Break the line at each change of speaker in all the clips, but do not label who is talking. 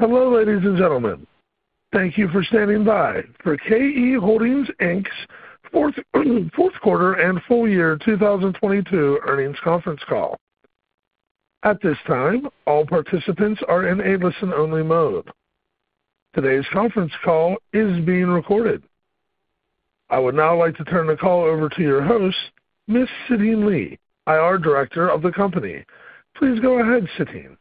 Hello, ladies and gentlemen. Thank you for standing by for KE Holdings Inc.'s fourth quarter and full year 2022 earnings conference call. At this time, all participants are in a listen-only mode. Today's conference call is being recorded. I would now like to turn the call over to your host, Ms. Siting Li, IR Director of the company. Please go ahead, Siting.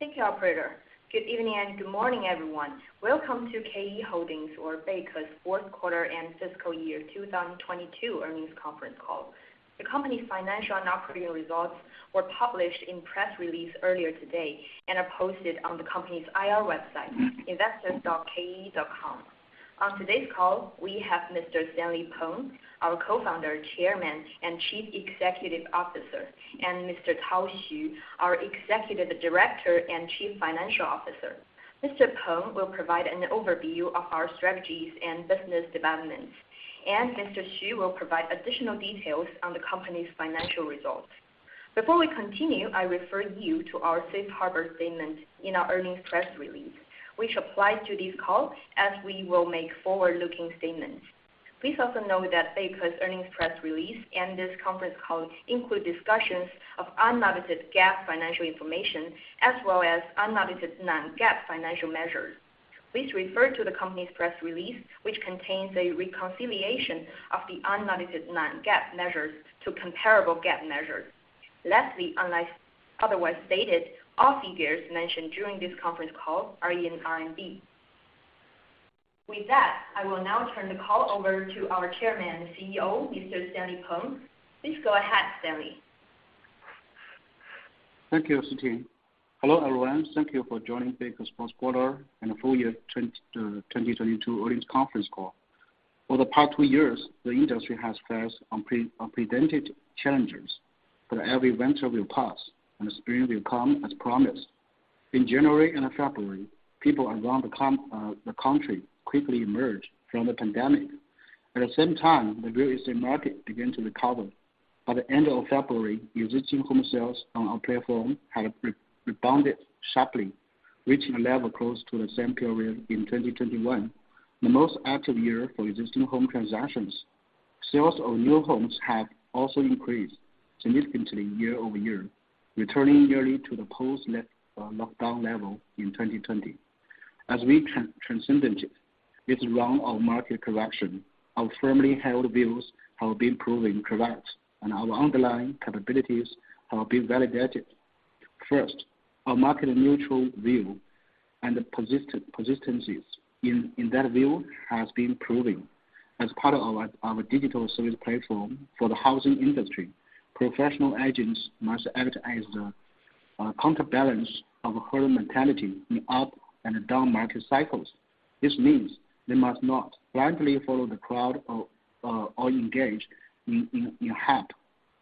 Thank you, operator. Good evening and good morning, everyone. Welcome to KE Holdings or Beike's fourth quarter and fiscal year 2022 earnings conference call. The company's financial and operating results were published in press release earlier today and are posted on the company's IR website, investors.ke.com. On today's call, we have Mr. Yongdong Peng, our Co-founder, Chairman, and Chief Executive Officer, and Mr. Tao Xu, our Executive Director and Chief Financial Officer. Mr. Peng will provide an overview of our strategies and business developments, and Mr. Xu will provide additional details on the company's financial results. Before we continue, I refer you to our safe harbor statement in our earnings press release, which applies to this call as we will make forward-looking statements. Please also note that Beike's earnings press release and this conference call include discussions of unaudited GAAP financial information as well as unaudited non-GAAP financial measures. Please refer to the company's press release, which contains a reconciliation of the unaudited non-GAAP measures to comparable GAAP measures. Lastly, unless otherwise stated, all figures mentioned during this conference call are in RMB. With that, I will now turn the call over to our Chairman and CEO, Mr. Yongdong Peng. Please go ahead, Stanley.
Thank you, Siting. Hello, everyone. Thank you for joining KE's fourth quarter and full year 2022 earnings conference call. For the past two years, the industry has faced unprecedented challenges, but every winter will pass and spring will come as promised. In January and February, people around the country quickly emerged from the pandemic. At the same time, the real estate market began to recover. By the end of February, existing home sales on our platform had rebounded sharply, reaching a level close to the same period in 2021, the most active year for existing home transactions. Sales of new homes have also increased significantly year-over-year, returning yearly to the post-lockdown level in 2020. As we transcended this round of market correction, our firmly held views have been proven correct and our underlying capabilities have been validated. First, our market-neutral view and persistence in that view has been proven. As part of our digital service platform for the housing industry, professional agents must act as the counterbalance of herd mentality in up and down market cycles. This means they must not blindly follow the crowd or engage in hype.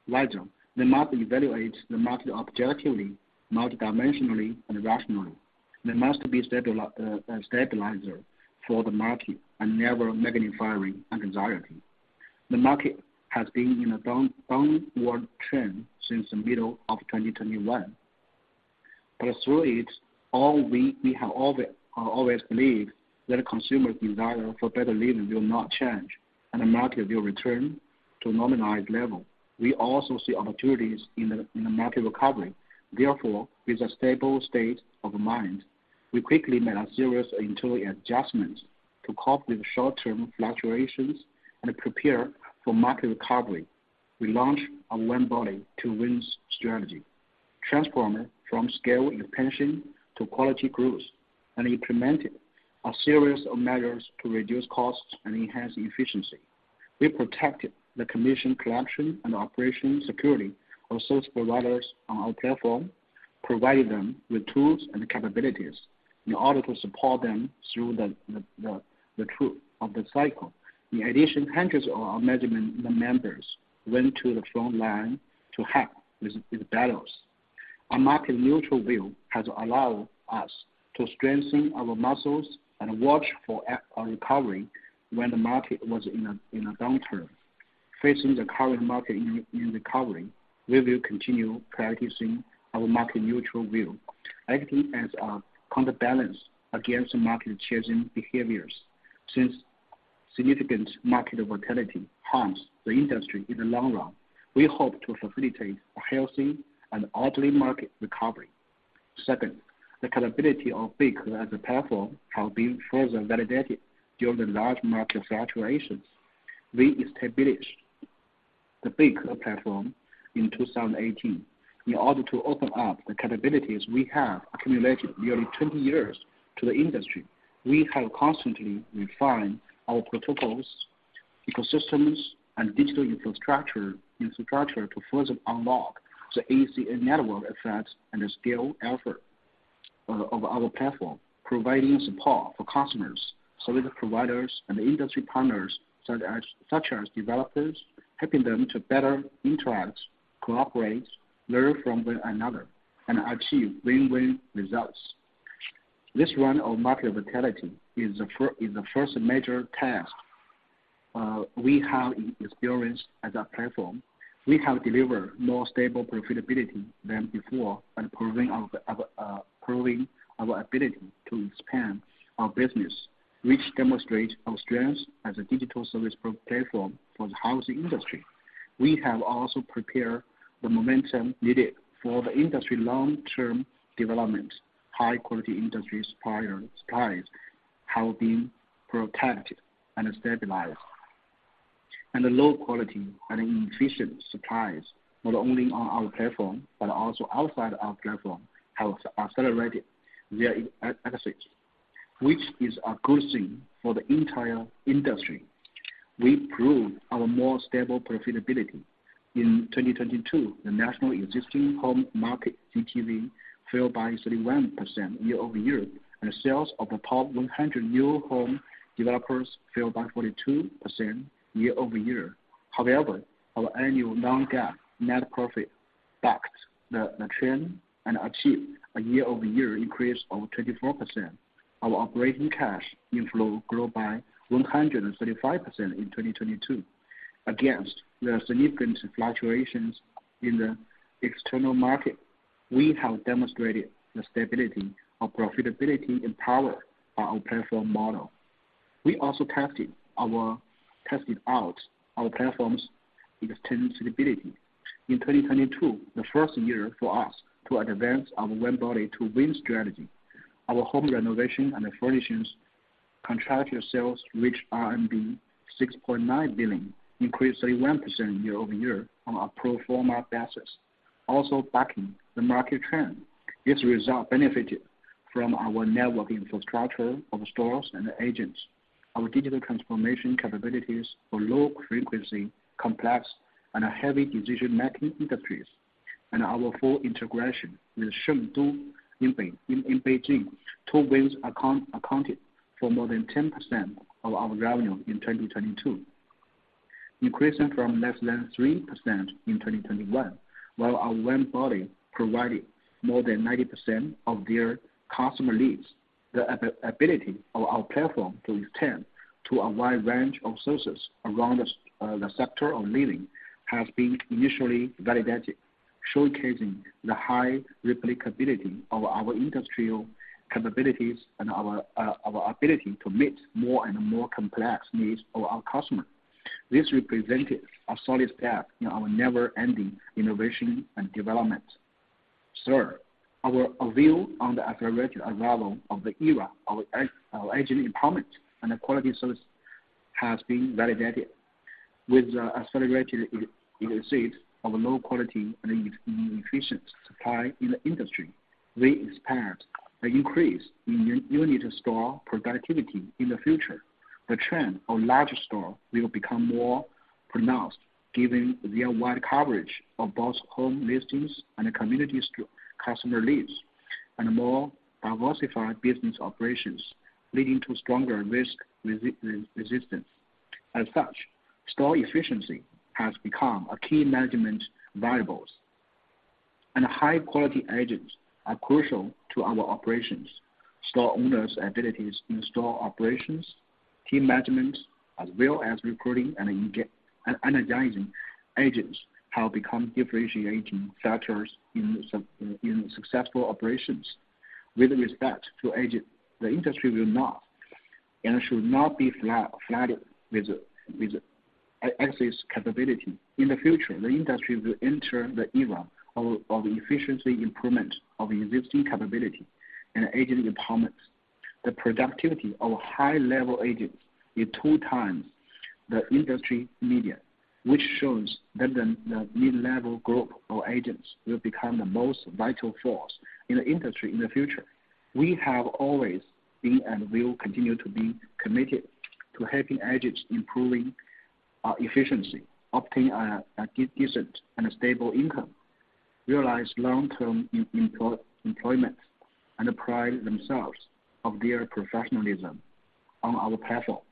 Rather, they must evaluate the market objectively, multidimensionally, and rationally. They must be a stabilizer for the market and never magnifying anxiety. The market has been in a downward trend since the middle of 2021. Through it all, we have always believed that consumer desire for better living will not change and the market will return to a normalized level. We also see opportunities in the market recovery. Therefore, with a stable state of mind, we quickly made a series of internal adjustments to cope with short-term fluctuations and prepare for market recovery. We launched our One Body, Two Wings strategy, transformed from scale expansion to quality growth, and implemented a series of measures to reduce costs and enhance efficiency. We protected the commission collection and operation security of service providers on our platform, provided them with tools and capabilities in order to support them through the trough of the cycle. In addition, hundreds of our management members went to the front line to help with the battles. Our market-neutral view has allowed us to strengthen our muscles and watch for a recovery when the market was in a downturn. Facing the current market in recovery, we will continue practicing our market-neutral view, acting as a counterbalance against market chasing behaviors. Significant market volatility harms the industry in the long run, we hope to facilitate a healthy and orderly market recovery. Second, the capability of Beike as a platform has been further validated during the large market fluctuations. We established the Beike platform in 2018 in order to open up the capabilities we have accumulated nearly 20 years to the industry. We have constantly refined our protocols, ecosystems, and digital infrastructure to further unlock the ACN network effect and the scale effect of our platform, providing support for customers, service providers, and industry partners such as developers, helping them to better interact, cooperate, learn from one another, and achieve win-win results. This run of market volatility is the first major test we have experienced as a platform. We have delivered more stable profitability than before and proving our ability to expand our business, which demonstrates our strength as a digital service platform for the housing industry. We have also prepared the momentum needed for the industry long-term development, high quality industry supplies have been protected and stabilized. The low quality and inefficient supplies, not only on our platform, but also outside our platform, are celebrating their exit, which is a good thing for the entire industry. We proved our more stable profitability. In 2022, the national existing home market GTV fell by 31% year-over-year, and the sales of the top 100 new home developers fell by 42% year-over-year. However, our annual non-GAAP net profit backed the trend and achieved a year-over-year increase of 24%. Our operating cash inflow grew by 135% in 2022. Against the significant fluctuations in the external market, we have demonstrated the stability of profitability and power of our platform model. We also tested out our platform's extendability. In 2022, the first year for us to advance our One Body, Two Wings strategy. Our home renovation and furnishings contractual sales reached RMB 6.9 billion, increased 31% year-over-year on a pro forma basis. Backing the market trend, this result benefited from our network infrastructure of stores and agents, our digital transformation capabilities for low frequency, complex, and heavy decision-making industries, and our full integration with Shengdu in Beijing. Two Wings accounted for more than 10% of our revenue in 2022, increasing from less than 3% in 2021. Our One Body provided more than 90% of their customer leads, the ability of our platform to extend to a wide range of sources around the sector of living has been initially validated, showcasing the high replicability of our industrial capabilities and our ability to meet more and more complex needs of our customers. This represented a solid step in our never-ending innovation and development. Third, our view on the accelerated arrival of the era of agent empowerment and quality service has been validated. With the accelerated exit of low quality and inefficient supply in the industry, we expect an increase in unit store productivity in the future. The trend of larger store will become more pronounced given their wide coverage of both home listings and community customer leads and more diversified business operations, leading to stronger risk resistance. As such, store efficiency has become a key management variables. High quality agents are crucial to our operations. Store owners' abilities in store operations, team management, as well as recruiting and energizing agents have become differentiating factors in successful operations. With respect to agents, the industry will not and should not be flooded with exit capability. In the future, the industry will enter the era of efficiency improvement of existing capability and agent empowerment. The productivity of high-level agents is 2 times the industry median, which shows that the mid-level group of agents will become the most vital force in the industry in the future. We have always been and will continue to be committed to helping agents improving efficiency, obtain a decent and a stable income, realize long-term employment, and pride themselves of their professionalism on our platform.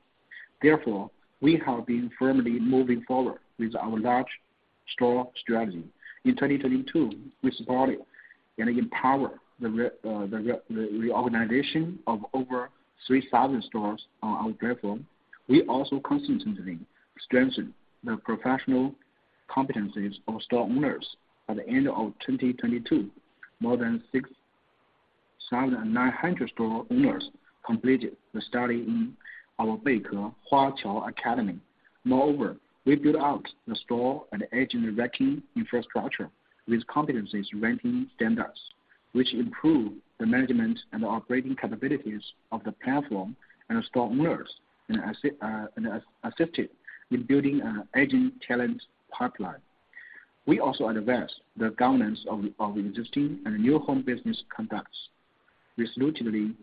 We have been firmly moving forward with our large store strategy. In 2022, we supported and empowered the reorganization of over 3,000 stores on our platform. We also consistently strengthened the professional competencies of store owners. At the end of 2022, more than 6,900 store owners completed the study in our Beike Huaqiao Academy. Moreover, we built out the store and agent ranking infrastructure with competencies ranking standards, which improve the management and operating capabilities of the platform and store owners and assisted in building an agent talent pipeline. We also advanced the governance of existing and new home business conducts. Resolutely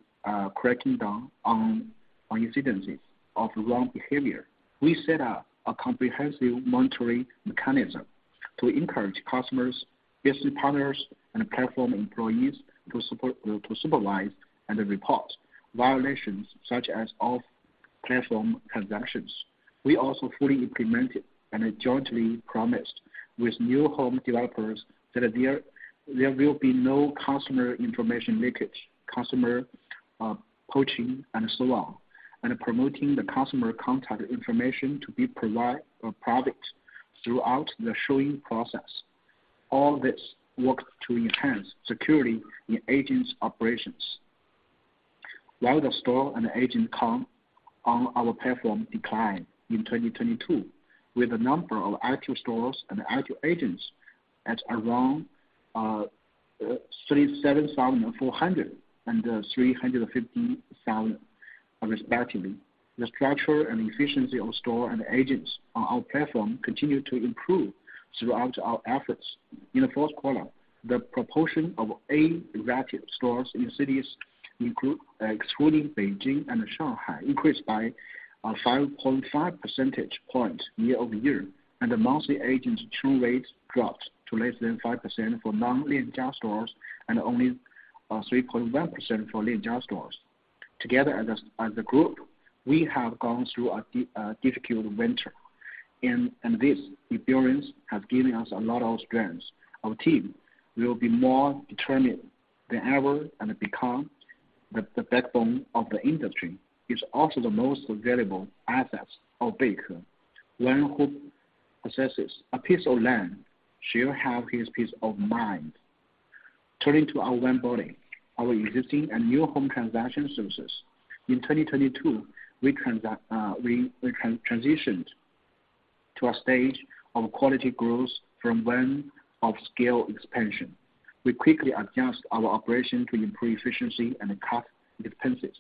cracking down on incidences of wrong behavior. We set up a comprehensive monitoring mechanism to encourage customers, business partners, and platform employees to supervise and report. Violations such as off-platform transactions. We also fully implemented and jointly promised with new home developers that there will be no customer information leakage, customer poaching, and so on, and promoting the customer contact information to be provided or private throughout the showing process. All this worked to enhance security in agents' operations. While the store and agent count on our platform declined in 2022, with the number of active stores and active agents at around 37,400 and 350,000 respectively. The structure and efficiency of store and agents on our platform continued to improve throughout our efforts. In the fourth quarter, the proportion of A-graders stores in cities excluding Beijing and Shanghai increased by 5.5 percentage points year-over-year, and the monthly agent churn rate dropped to less than 5% for non-Lianjia stores and only 3.1% for Lianjia stores. Together as a group, we have gone through a difficult winter and this experience has given us a lot of strength. Our team will be more determined than ever and become the backbone of the industry. It's also the most valuable assets of Beike. One who possesses a piece of land shall have his peace of mind. Turning to our onboarding, our existing and new home transaction services. In 2022, we transitioned to a stage of quality growth from one of scale expansion. We quickly adjust our operation to improve efficiency and cut expenses,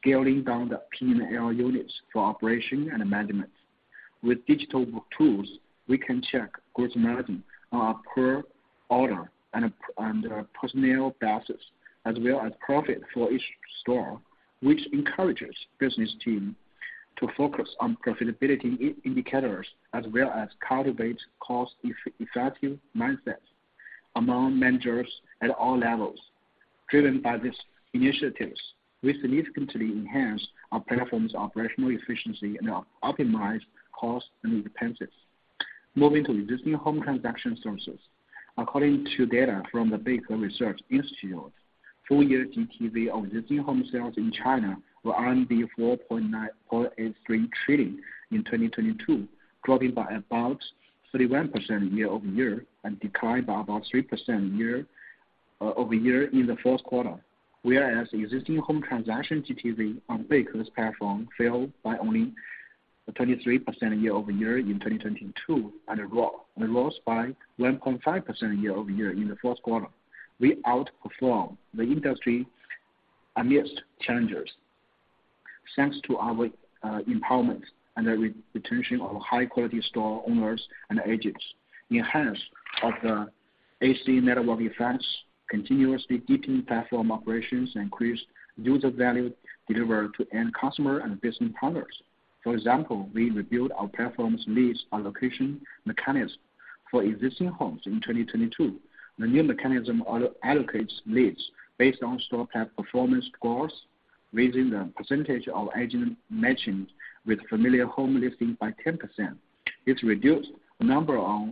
scaling down the P&L units for operation and management. With digital tools, we can check gross margin on a per order and personnel basis, as well as profit for each store, which encourages the business team to focus on profitability indicators as well as cultivate cost-effective mindsets among managers at all levels. Driven by these initiatives, we significantly enhanced our platform's operational efficiency and optimized costs and expenses. Moving to existing home transaction services. According to data from the Beike Research Institute, full year GTV of existing home sales in China were 4.983 trillion in 2022, dropping by about 31% year-over-year and declined by about 3% year-over-year in the fourth quarter. Whereas existing home transaction GTV on Beike's platform fell by only 23% year-over-year in 2022 and rose by 1.5% year-over-year in the fourth quarter. We outperformed the industry amidst challenges thanks to our empowerment and retention of high-quality store owners and agents, enhancement of the ACN network effects, continuously deepening platform operations, increased user value delivered to end customer and business partners. For example, we rebuilt our platform's leads allocation mechanism for existing homes in 2022. The new mechanism allocates leads based on store tab performance scores, raising the percentage of agent matching with familiar home listing by 10%. It reduced the number of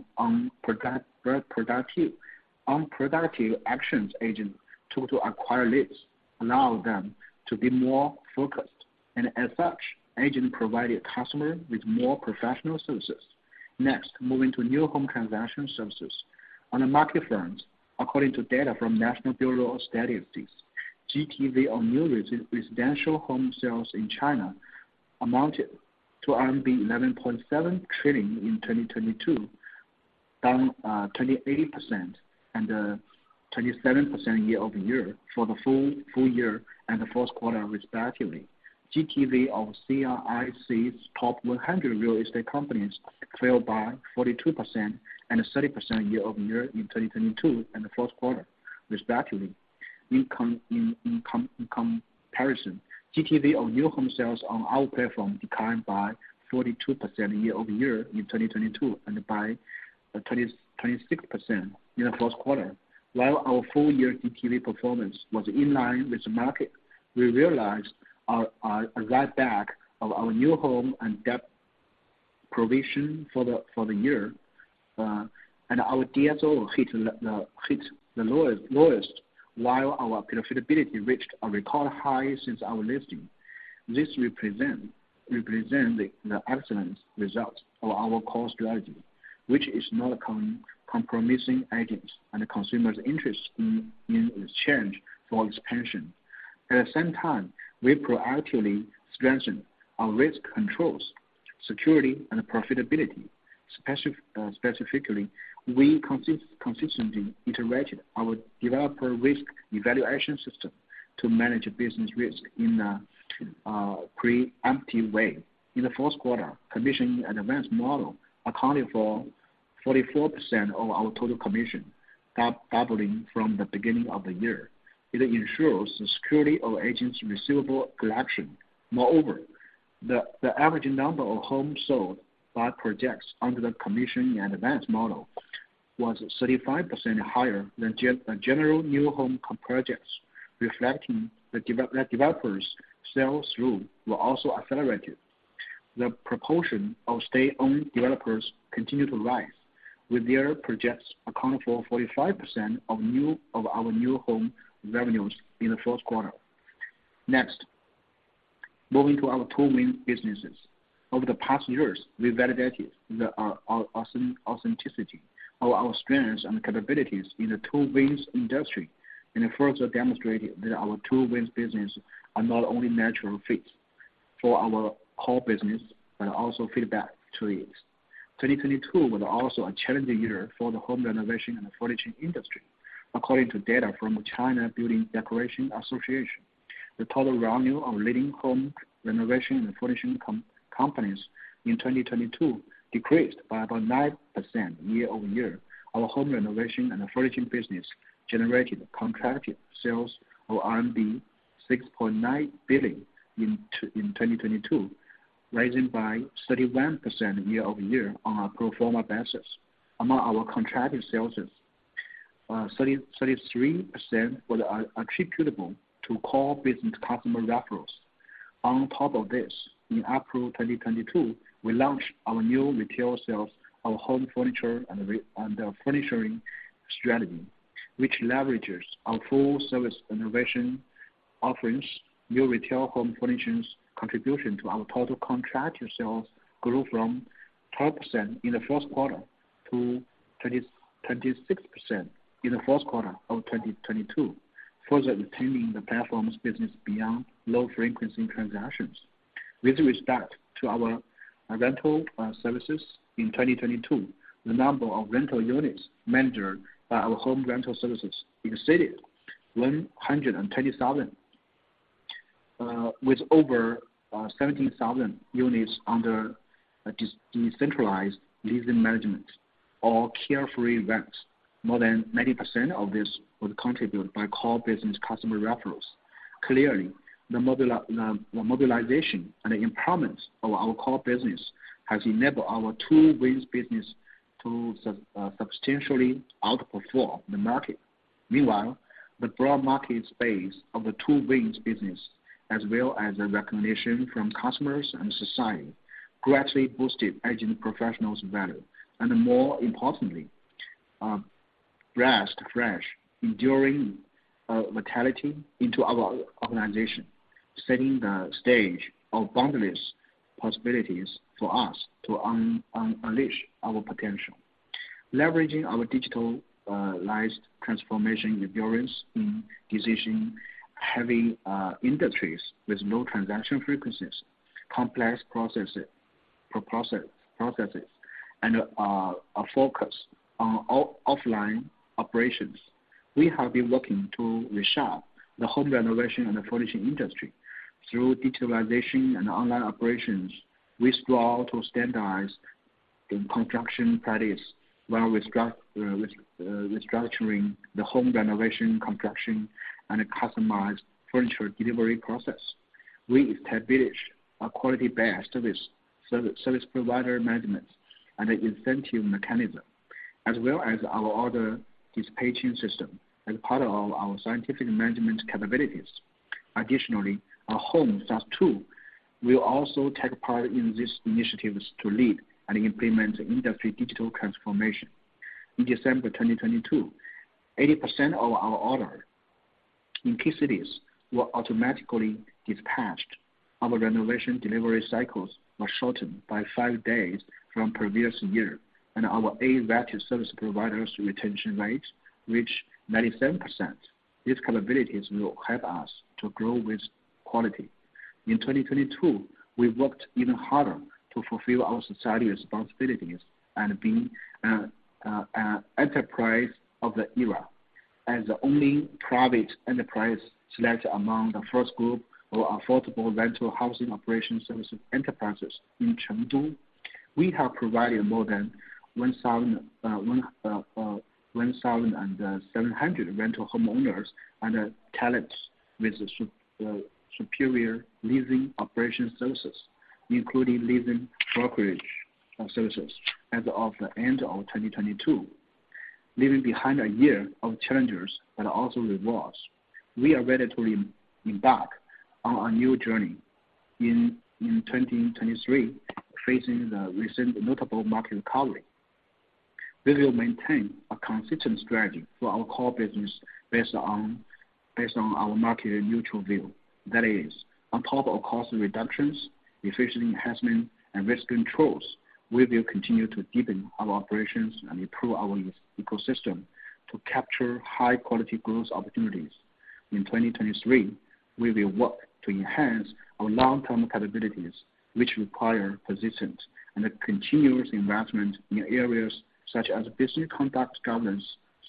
unproductive actions agents took to acquire leads, allowing them to be more focused. As such, agent provided customer with more professional services. Next, moving to new home transaction services. On a market front, according to data from National Bureau of Statistics, GTV on new residential home sales in China amounted to RMB 11.7 trillion in 2022, down 28% and 27% year-over-year for the full year and the fourth quarter respectively. GTV of CRIC's top 100 real estate companies fell by 42% and 30% year-over-year in 2022 and the fourth quarter, respectively. In comparison, GTV of new home sales on our platform declined by 42% year-over-year in 2022 and by 26% in the fourth quarter. While our full year GTV performance was in line with the market, we realized write-back of our new home bad-debt provision for the year, and our DSO hit the lowest, while our profitability reached a record high since our listing. This represent the excellent results of our core strategy, which is not compromising agents' and consumers' interest in exchange for expansion. At the same time, we proactively strengthen our risk controls, security, and profitability. Specifically, we consistently integrated our developer risk evaluation system to manage business risk in a preempting way. In the fourth quarter, Commission in Advance model accounting for 44% of our total commission, doubling from the beginning of the year. It ensures the security of agents' receivable collection. Moreover, the average number of homes sold by projects under the Commission in Advance model was 35% higher than the general new home projects, reflecting that the developers' sell-through was also accelerated. The proportion of state-owned developers continued to rise, with their projects accounting for 45% of our new home revenues in the first quarter. Moving to our two main businesses. Over the past years, we validated the authenticity of our strengths and capabilities in the two wings industry and further demonstrated that our two wings business are not only natural fit for our core business, but also feedback to it. 2022 was also a challenging year for the home renovation and furnishing industry. According to data from China Building Decoration Association, the total revenue of leading home renovation and furnishing companies in 2022 decreased by about 9% year-over-year. Our home renovation and furnishing business generated contracted sales of RMB 6.9 billion in 2022, rising by 31% year-over-year on a pro forma basis. Among our contracted sales, 33% were attributable to core business customer referrals. On top of this, in April 2022, we launched our new retail sales of home furniture and furnishing strategy, which leverages our full service renovation offerings. New retail home furnishings contribution to our total contracted sales grew from 12% in the first quarter to 26% in the fourth quarter of 2022, further retaining the platform's business beyond low-frequency transactions. With respect to our rental services in 2022, the number of rental units managed by our home rental services exceeded 120,000, with over 17,000 units under decentralized leasing management or Carefree Rent. More than 90% of this was contributed by core business customer referrals. Clearly, the modularization and the improvements of our core business has enabled our Two Wings business to substantially outperform the market. Meanwhile, the broad market space of the Two Wings business, as well as the recognition from customers and society, greatly boosted agent professionals' value, and more importantly, breathed fresh, enduring vitality into our organization, setting the stage of boundless possibilities for us to unleash our potential. Leveraging our digital transformation experience in decision-heavy industries with low transaction frequencies, complex processes, and a focus on offline operations, we have been working to reshape the home renovation and furnishing industry. Through digitalization and online operations, we strive to standardize the construction that is, while restructuring the home renovation, construction, and a customized furniture delivery process. We established a quality-based service provider management and an incentive mechanism, as well as our order dispatching system as part of our scientific management capabilities. Additionally, our Home SaaS tool will also take part in these initiatives to lead and implement industry digital transformation. In December 2022, 80% of our order in key cities were automatically dispatched. Our renovation delivery cycles were shortened by five days from previous year, and our A-rated service providers' retention rate reached 97%. These capabilities will help us to grow with quality. In 2022, we worked even harder to fulfill our society responsibilities and be an enterprise of the era. As the only private enterprise selected among the first group of affordable rental housing operation services enterprises in Chengdu, we have provided more than 1,700 rental homeowners and talents with superior leasing operation services, including leasing brokerage services as of the end of 2022. Leaving behind a year of challenges, but also rewards, we are ready to embark on a new journey in 2023, facing the recent notable market recovery. We will maintain a consistent strategy for our core business based on our market-neutral view. That is, on top of cost reductions, efficiency enhancement, and risk controls, we will continue to deepen our operations and improve our ecosystem to capture high-quality growth opportunities. In 2023, we will work to enhance our long-term capabilities, which require persistence and a continuous investment in areas such as business conduct, governance,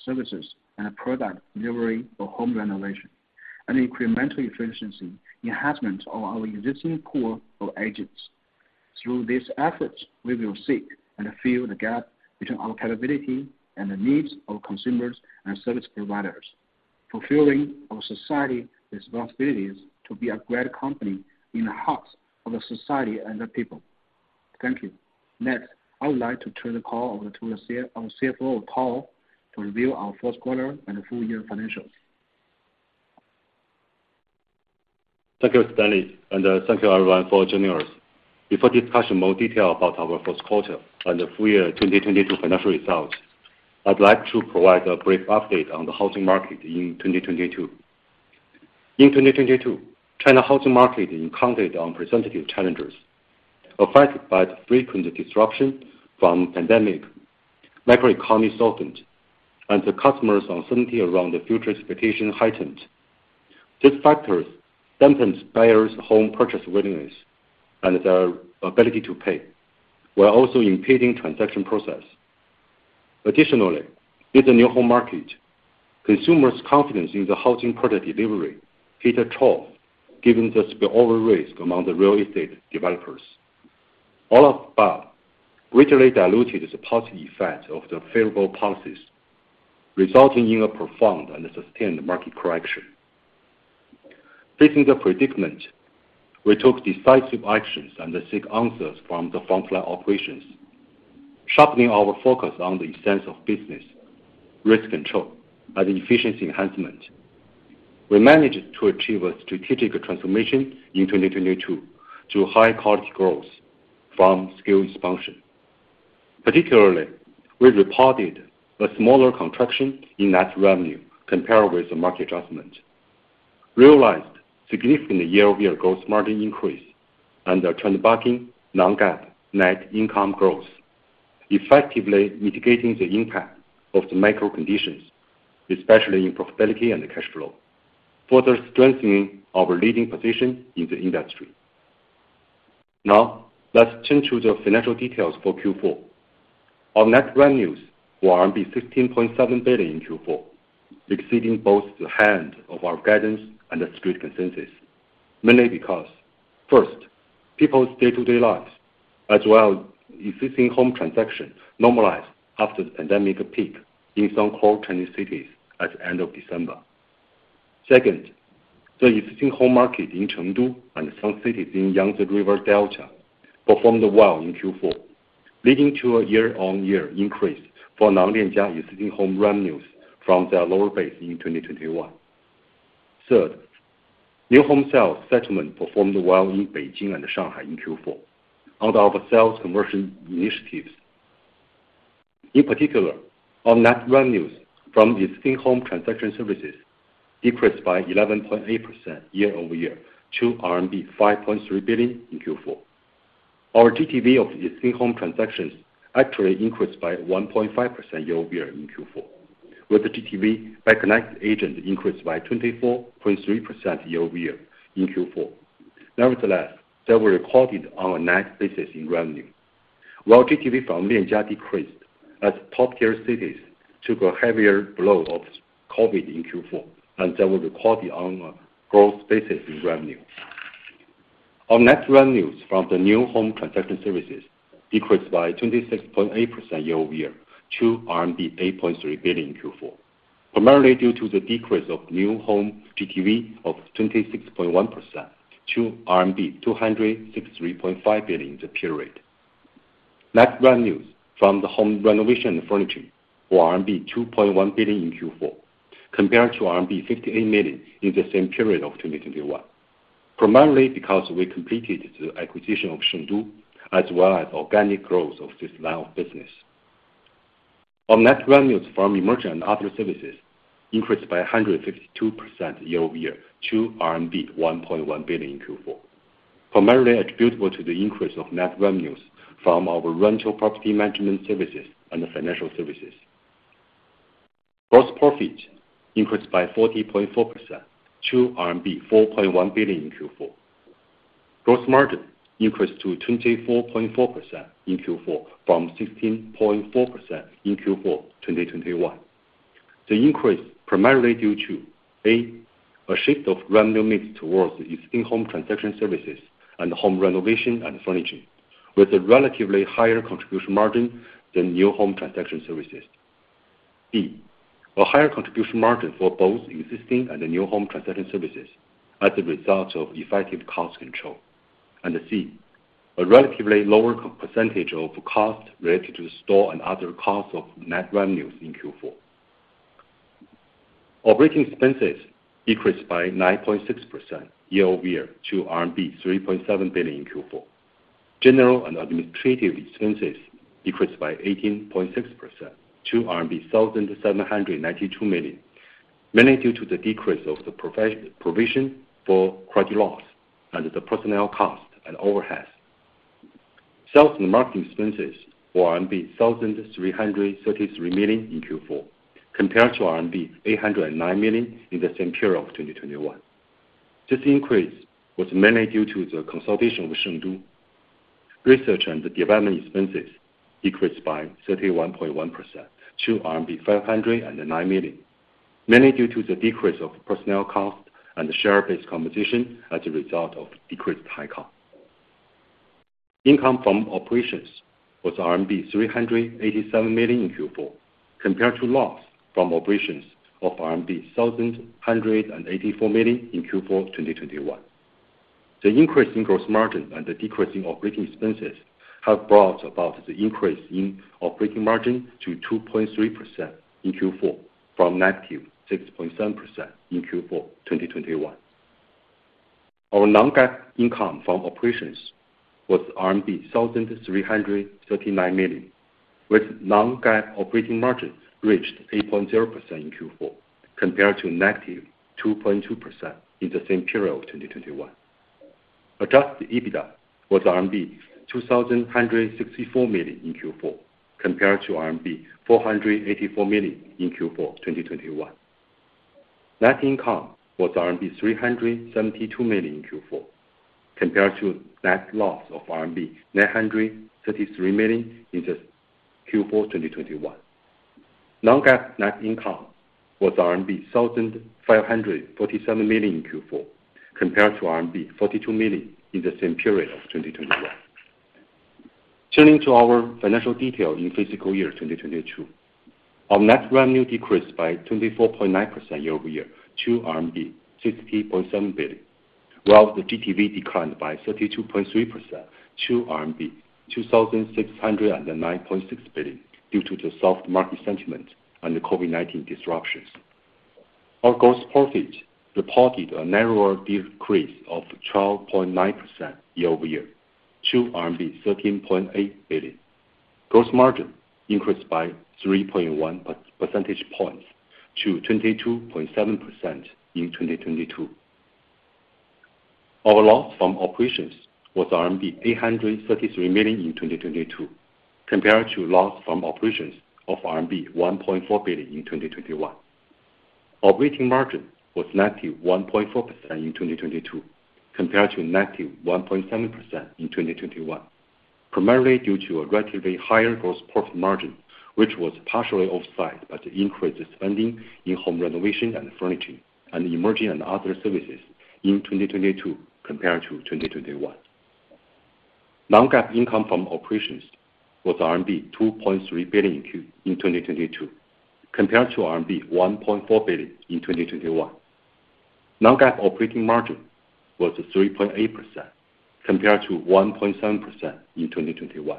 services, and product delivery for home renovation, and incremental efficiency enhancement of our existing pool of agents. Through these efforts, we will seek and fill the gap between our capability and the needs of consumers and service providers. Fulfilling our society responsibilities to be a great company in the hearts of the society and the people. Thank you. Next, I would like to turn the call over to our CFO, Tao, to review our fourth quarter and full year financials.
Thank you, Stanley, and thank you everyone for joining us. Before discussing more detail about our fourth quarter and full year 2022 financial results, I'd like to provide a brief update on the housing market in 2022. In 2022, China housing market encountered unprecedented challenges affected by the frequent disruption from pandemic. macroeconomy softened, and the customers' uncertainty around the future expectation heightened. These factors dampened buyers' home purchase willingness and their ability to pay, while also impeding transaction process. Additionally, in the new home market, consumers' confidence in the housing product delivery hit a trough given the spillover risk among the real estate developers. All of the above greatly diluted the positive effect of the favorable policies, resulting in a profound and sustained market correction. Facing the predicament, we took decisive actions and seek answers from the front-line operations, sharpening our focus on the sense of business, risk control, and efficiency enhancement. We managed to achieve a strategic transformation in 2022 to high-quality growth from scale expansion. Particularly, we reported a smaller contraction in net revenue compared with the market adjustment, realized significant year-over-year gross margin increase, and a trend-bucking non-GAAP net income growth, effectively mitigating the impact of the macro conditions, especially in profitability and cash flow, further strengthening our leading position in the industry. Now, let's turn to the financial details for Q4. Our net revenues were RMB 16.7 billion in Q4, exceeding both the high end of our guidance and the street consensus. Mainly because, first, people's day-to-day lives as well as existing home transactions normalized after the pandemic peak in some core Chinese cities at the end of December. Second, the existing home market in Chengdu and some cities in Yangtze River Delta performed well in Q4, leading to a year-on-year increase for non-Lianjia existing home revenues from their lower base in 2021. Third, new home sales settlement performed well in Beijing and Shanghai in Q4 under our sales conversion initiatives. In particular, our net revenues from existing home transaction services decreased by 11.8% year-over-year to RMB 5.3 billion in Q4. Our GTV of existing home transactions actually increased by 1.5% year-over-year in Q4, with the GTV by connected agent increased by 24.3% year-over-year in Q4. They were recorded on a net basis in revenue, while GTV from Lianjia decreased as top-tier cities took a heavier blow of COVID in Q4. They were recorded on a gross basis in revenue. Our net revenues from the new home transaction services decreased by 26.8% year-over-year to RMB 8.3 billion in Q4, primarily due to the decrease of new home GTV of 26.1% to RMB 263.5 billion in the period. Net revenues from the home renovation and furniture were RMB 2.1 billion in Q4, compared to RMB 58 million in the same period of 2021, primarily because we completed the acquisition of Shengdu, as well as organic growth of this line of business. Our net revenues from emerging and other services increased by 152% year-over-year to RMB 1.1 billion in Q4, primarily attributable to the increase of net revenues from our rental property management services and financial services. Gross profit increased by 40.4% to RMB 4.1 billion in Q4. Gross margin increased to 24.4% in Q4 from 16.4% in Q4 2021. The increase primarily due to, A, a shift of revenue mix towards existing home transaction services and home renovation and furnishing, with a relatively higher contribution margin than new home transaction services. B, a higher contribution margin for both existing and new home transaction services as a result of effective cost control. C, a relatively lower co-percentage of costs related to store and other costs of net revenues in Q4. Operating expenses decreased by 9.6% year-over-year to RMB 3.7 billion in Q4. General and administrative expenses decreased by 18.6% to RMB 1,792 million, mainly due to the decrease of the provision for credit loss and the personnel cost and overheads. Sales and marketing expenses were RMB 1,333 million in Q4, compared to RMB 809 million in the same period of 2021. This increase was mainly due to the consolidation of Shengdu. Research and development expenses decreased by 31.1% to 509 million, mainly due to the decrease of personnel cost and share-based compensation as a result of decreased headcount. Income from operations was RMB 387 million in Q4, compared to loss from operations of RMB 1,184 million in Q4 2021. The increase in gross margin and the decrease in operating expenses have brought about the increase in operating margin to 2.3% in Q4 from -6.7% in Q4 2021. Our non-GAAP income from operations was RMB 1,339 million, with non-GAAP operating margin reached 8.0% in Q4, compared to -2.2% in the same period of 2021. Adjusted EBITDA was RMB 2,164 million in Q4, compared to RMB 484 million in Q4 2021. Net income was RMB 372 million in Q4, compared to net loss of RMB 933 million in the Q4 2021. Non-GAAP net income was RMB 1,547 million in Q4, compared to RMB 42 million in the same period of 2021. Turning to our financial detail in fiscal year 2022. Our net revenue decreased by 24.9% year-over-year to RMB 60.7 billion, while the GTV declined by 32.3% to RMB 2,609.6 billion due to the soft market sentiment and the COVID-19 disruptions. Our gross profit reported a narrower decrease of 12.9% year-over-year to RMB 13.8 billion. Gross margin increased by 3.1 percentage points to 22.7% in 2022. Our loss from operations was RMB 833 million in 2022, compared to loss from operations of RMB 1.4 billion in 2021. Operating margin was -1.4% in 2022, compared to -1.7% in 2021, primarily due to a relatively higher gross profit margin, which was partially offset by the increased spending in home renovation and furnishing and emerging and other services in 2022 compared to 2021. non-GAAP income from operations was RMB 2.3 billion in 2022, compared to RMB 1.4 billion in 2021. non-GAAP operating margin was 3.8%, compared to 1.7% in 2021.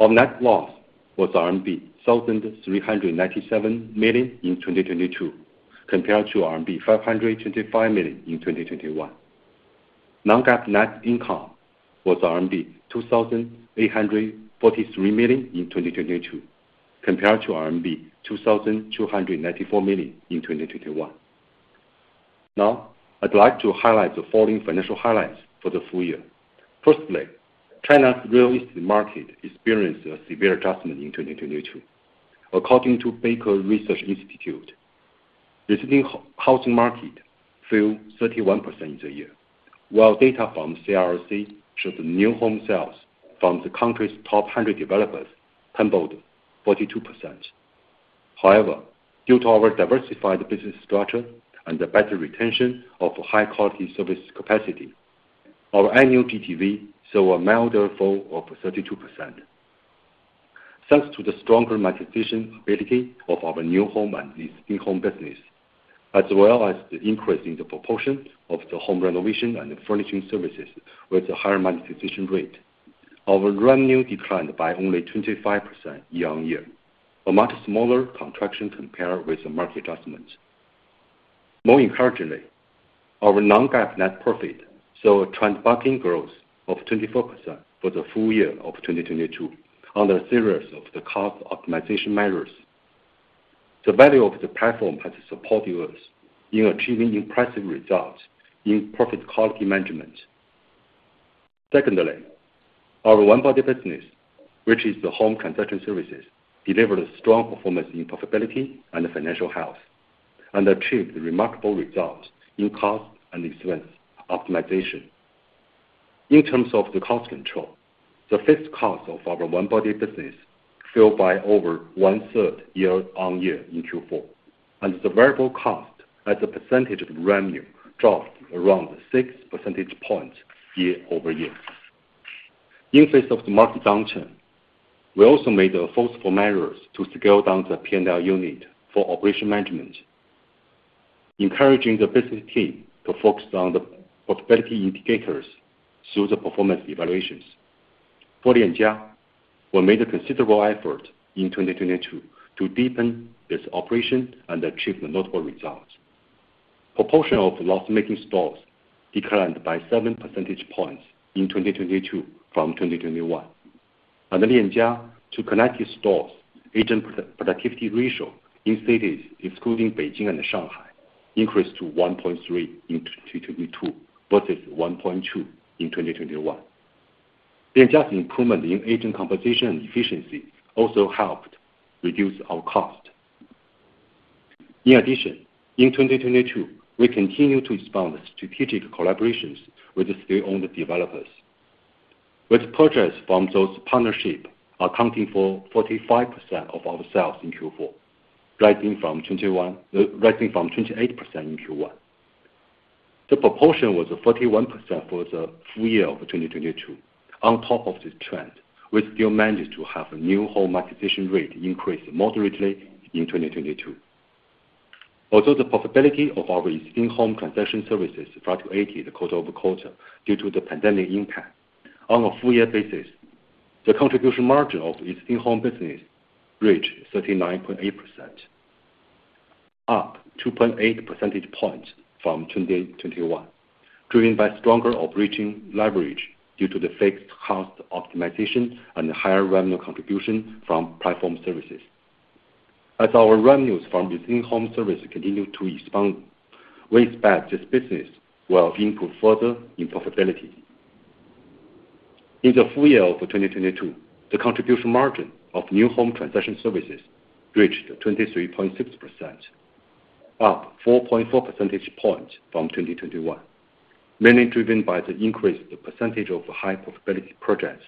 Our net loss was RMB 1,397 million in 2022, compared to RMB 525 million in 2021. Non-GAAP net income was RMB 2,843 million in 2022, compared to RMB 2,294 million in 2021. I'd like to highlight the following financial highlights for the full year. China's real estate market experienced a severe adjustment in 2022. According to Beike Research Institute, the existing housing market fell 31% in the year, while data from CRIC shows new home sales from the country's top 100 developers tumbled 42%. Due to our diversified business structure and the better retention of high-quality service capacity, our annual GTV saw a milder fall of 32%. Thanks to the stronger monetization ability of our new home and existing home business, as well as the increase in the proportion of the home renovation and furnishing services with a higher monetization rate, our revenue declined by only 25% year-on-year, a much smaller contraction compared with the market adjustments. More encouragingly, our non-GAAP net profit saw a trend bucking growth of 24% for the full year of 2022 on a series of the cost optimization measures. The value of the platform has supported us in achieving impressive results in profit quality management. Secondly, our One Body business, which is the home construction services, delivered a strong performance in profitability and financial health, and achieved remarkable results in cost and expense optimization. In terms of the cost control, the fixed cost of our One-Body business fell by over 1/3 year-on-year in Q4, and the variable cost as a percentage of revenue dropped around 6 percentage points year-over-year. In face of the market downturn, we also made forceful measures to scale down the P&L unit for operation management, encouraging the business team to focus on the profitability indicators through the performance evaluations. For Lianjia, we made a considerable effort in 2022 to deepen this operation and achieve notable results. Proportion of loss-making stores declined by 7 percentage points in 2022 from 2021. The Lianjia to connected stores, agent pro-productivity ratio in cities excluding Beijing and Shanghai increased to 1.3 in 2022, versus 1.2 in 2021. The adjusted improvement in agent compensation efficiency also helped reduce our cost. In 2022, we continued to expand the strategic collaborations with state-owned developers, with purchase from those partnership accounting for 45% of our sales in Q4, rising from 28% in Q1. The proportion was 41% for the full year of 2022. On top of this trend, we still managed to have a new home marketization rate increase moderately in 2022. Although the profitability of our existing home transaction services fluctuated quarter-over-quarter due to the pandemic impact, on a full year basis, the contribution margin of existing home business reached 39.8%, up 2.8 percentage points from 2021, driven by stronger operating leverage due to the fixed cost optimization and higher revenue contribution from platform services. As our revenues from existing home service continue to expand, we expect this business will improve further in profitability. In the full year of 2022, the contribution margin of new home transaction services reached 23.6%, up 4.4 percentage points from 2021, mainly driven by the increased percentage of high profitability projects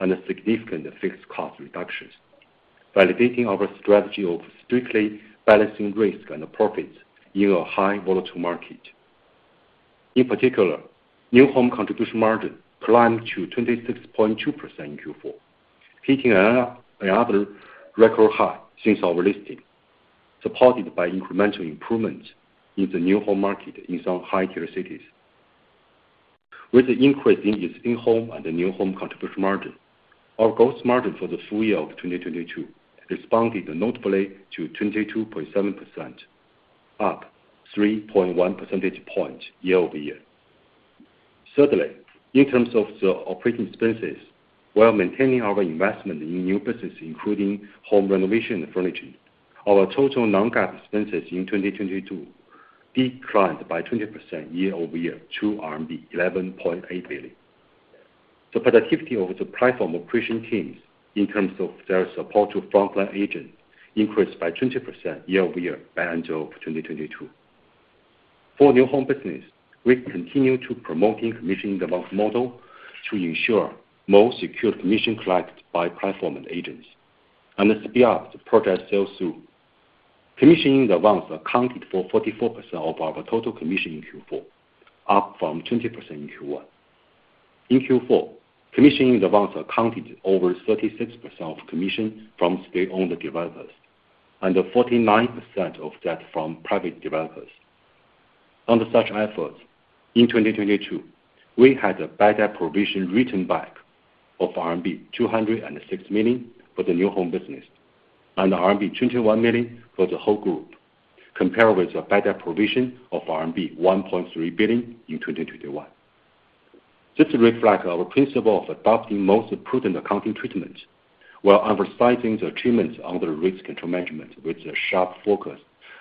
and the significant fixed cost reductions, validating our strategy of strictly balancing risk and profits in a high volatile market. In particular, new home contribution margin climbed to 26.2% in Q4, hitting another record high since our listing, supported by incremental improvements in the new home market in some tier cities. With the increase in existing home and the new home contribution margin, our gross margin for the full year of 2022 expanded notably to 22.7%, up 3.1 percentage points year-over-year. Thirdly, in terms of the operating expenses, while maintaining our investment in new business, including home renovation and furnishing, our total non-GAAP expenses in 2022 declined by 20% year-over-year to RMB 11.8 billion. The productivity of the platform operation teams in terms of their support to frontline agents increased by 20% year-over-year by end of 2022. For new home business, we continue to promote Commission-advanced model to ensure more secured commission collected by platform and agents, and speed up the project sales too. Commission-advanced accounted for 44% of our total commission in Q4, up from 20% in Q1. In Q4, Commission-advanced accounted over 36% of commission from state-owned developers, and 49% of that from private developers. Under such efforts, in 2022, we had a bad debt provision written back of RMB 206 million for the new home business, and RMB 21 million for the whole group, compared with the bad debt provision of RMB 1.3 billion in 2021. This reflects our principle of adopting most prudent accounting treatment, while undersizing the achievements under risk control management with a sharp focus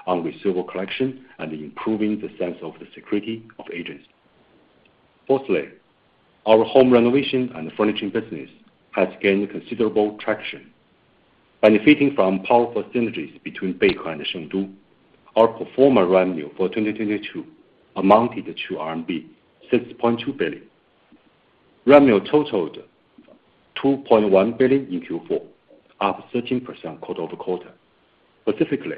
on receivable collection and improving the sense of the security of agents. Fourthly, our home renovation and furnishing business has gained considerable traction. Benefiting from powerful synergies between Beike and Shengdu, our pro forma revenue for 2022 amounted to RMB 6.2 billion. Revenue totaled 2.1 billion in Q4, up 13% quarter-over-quarter. Specifically,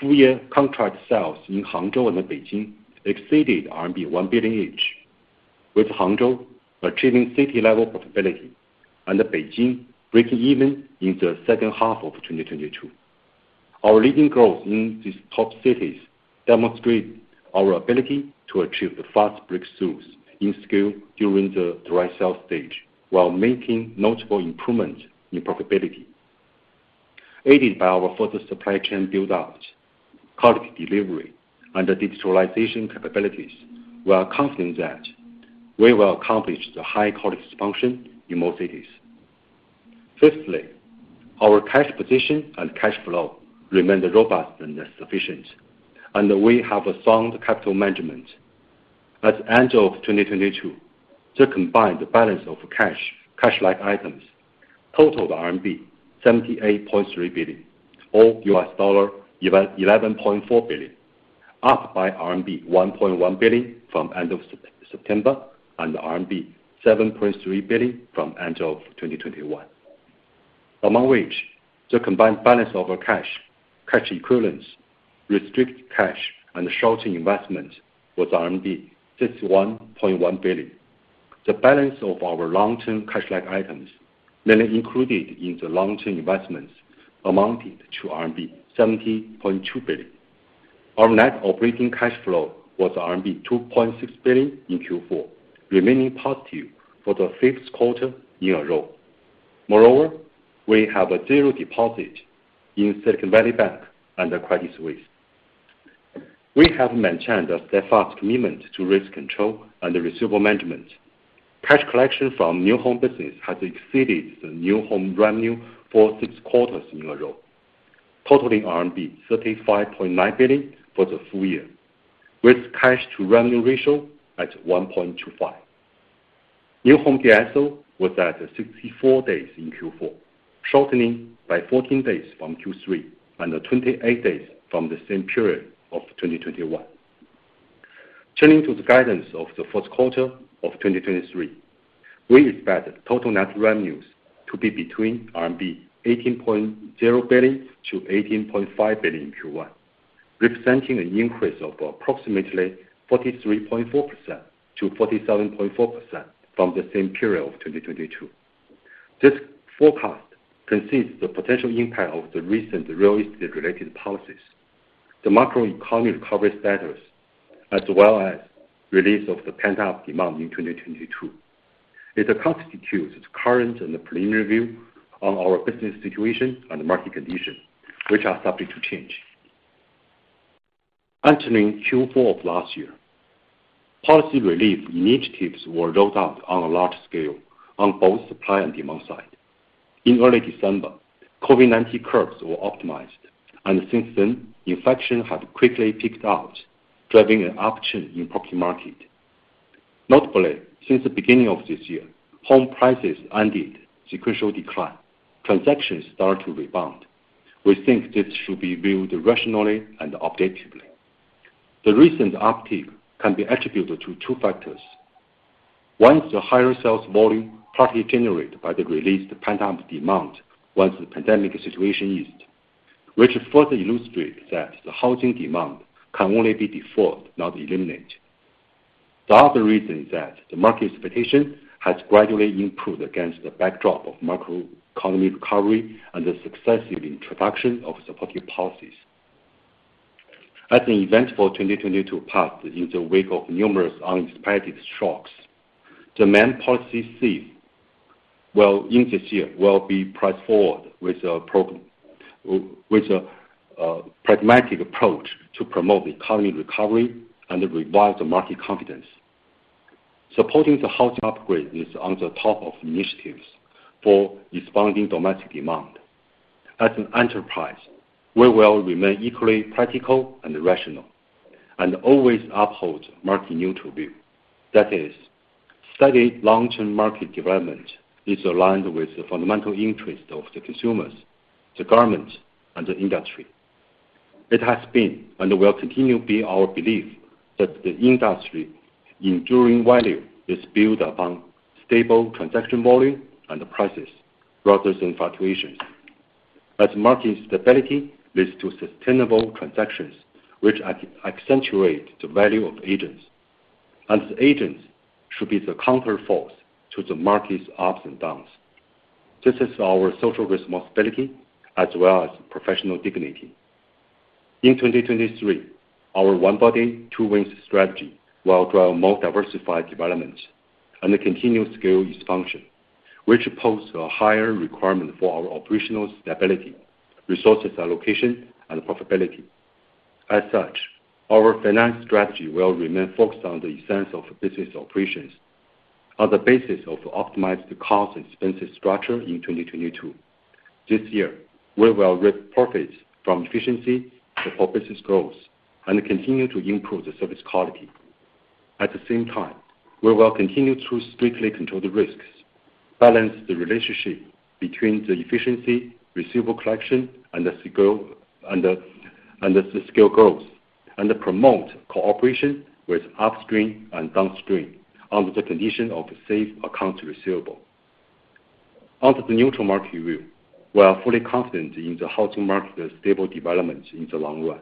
full year contract sales in Hangzhou and Beijing exceeded RMB 1 billion each, with Hangzhou achieving city-level profitability and Beijing breaking even in the second half of 2022. Our leading growth in these top cities demonstrate our ability to achieve the fast breakthroughs in scale during the dry sales stage while making notable improvements in profitability. Aided by our further supply chain build-outs, quality delivery, and the digitalization capabilities, we are confident that we will accomplish the high-quality expansion in more cities. Fifthly, our cash position and cash flow remain robust and sufficient, and we have a sound capital management. At the end of 2022, the combined balance of cash-like items totaled RMB 78.3 billion, or $11.4 billion, up by RMB 1.1 billion from end of September, and RMB 7.3 billion from end of 2021. The combined balance of our cash equivalents, restricted cash, and short-term investment was RMB 61.1 billion. The balance of our long-term cash-like items, mainly included in the long-term investments, amounted to RMB 70.2 billion. Our net operating cash flow was RMB 2.6 billion in Q4, remaining positive for the fifth quarter in a row. We have a zero deposit in Silicon Valley Bank under Credit Suisse. We have maintained a steadfast commitment to risk control and receivable management. Cash collection from new home business has exceeded the new home revenue for six quarters in a row, totaling RMB 35.9 billion for the full year, with cash to revenue ratio at 1.25. New home DSO was at 64 days in Q4, shortening by 14 days from Q3 and 28 days from the same period of 2021. Turning to the guidance of the first quarter of 2023. We expect total net revenues to be between RMB 18.0 billion-18.5 billion in Q1, representing an increase of approximately 43.4%-47.4% from the same period of 2022. This forecast concedes the potential impact of the recent real estate-related policies, the macro economy recovery status, as well as release of the pent-up demand in 2022. It constitutes the current and preliminary view on our business situation and the market condition, which are subject to change. Entering Q4 of last year, policy relief initiatives were rolled out on a large scale on both supply and demand side. In early December, COVID-19 curves were optimized, and since then, infection has quickly peaked out, driving an upturn in property market. Notably, since the beginning of this year, home prices ended sequential decline. Transactions start to rebound. We think this should be viewed rationally and objectively. The recent uptick can be attributed to two factors. One is the higher sales volume partly generated by the released pent-up demand once the pandemic situation eased, which further illustrates that the housing demand can only be deferred, not eliminated. The other reason is that the market expectation has gradually improved against the backdrop of microeconomic recovery and the successive introduction of supportive policies. As an eventful 2022 passed in the wake of numerous unexpected shocks, the main policy set this year will be pressed forward with a program. With a pragmatic approach to promote economy recovery and revive the market confidence. Supporting the housing upgrade is on the top of initiatives for expanding domestic demand. As an enterprise, we will remain equally practical and rational, and always uphold market-neutral view. That is, steady long-term market development is aligned with the fundamental interest of the consumers, the government and the industry. It has been and will continue to be our belief that the industry enduring value is built upon stable transaction volume and the prices, rather than fluctuations. As market stability leads to sustainable transactions, which accentuate the value of agents. Agents should be the counterforce to the market's ups and downs. This is our social responsibility as well as professional dignity. In 2023, our One Body, Two Wings strategy will draw more diversified development and continue to scale its function, which poses a higher requirement for our operational stability, resources allocation, and profitability. As such, our finance strategy will remain focused on the essence of business operations. On the basis of optimized cost and expenses structure in 2022. This year, we will reap profits from efficiency for business growth and continue to improve the service quality. At the same time, we will continue to strictly control the risks, balance the relationship between the efficiency, receivable collection, and the scale, and the scale growth, and promote cooperation with upstream and downstream on the condition of safe accounts receivable. Under the neutral market view, we are fully confident in the housing market's stable development in the long run.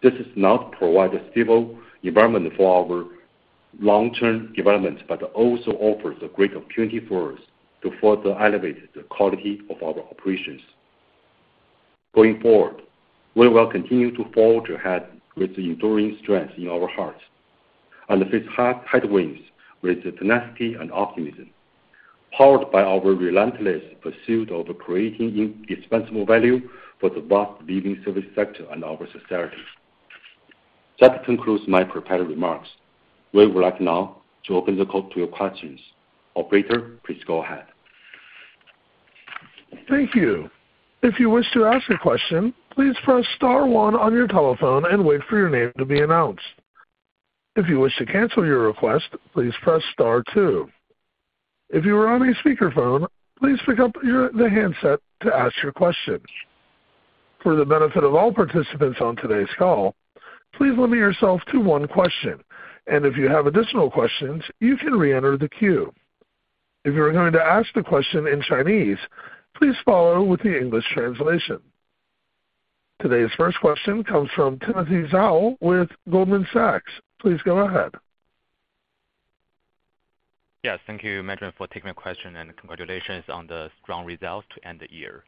This has not provided a stable environment for our long-term development, but also offers a great opportunity for us to further elevate the quality of our operations. Going forward, we will continue to forge ahead with the enduring strength in our hearts and face hard headwinds with tenacity and optimism, powered by our relentless pursuit of creating indispensable value for the vast living service sector and our society. That concludes my prepared remarks. We would like now to open the call to your questions. Operator, please go ahead.
Thank you. If you wish to ask a question, please press star one on your telephone and wait for your name to be announced. If you wish to cancel your request, please press star two. If you are on a speakerphone, please pick up your handset to ask your questions. For the benefit of all participants on today's call, please limit yourself to one question. If you have additional questions, you can re-enter the queue. If you are going to ask the question in Chinese, please follow with the English translation. Today's first question comes from Timothy Zhao with Goldman Sachs. Please go ahead.
Yes, Thank you, management, for taking my question, and congratulations on the strong results to end the year.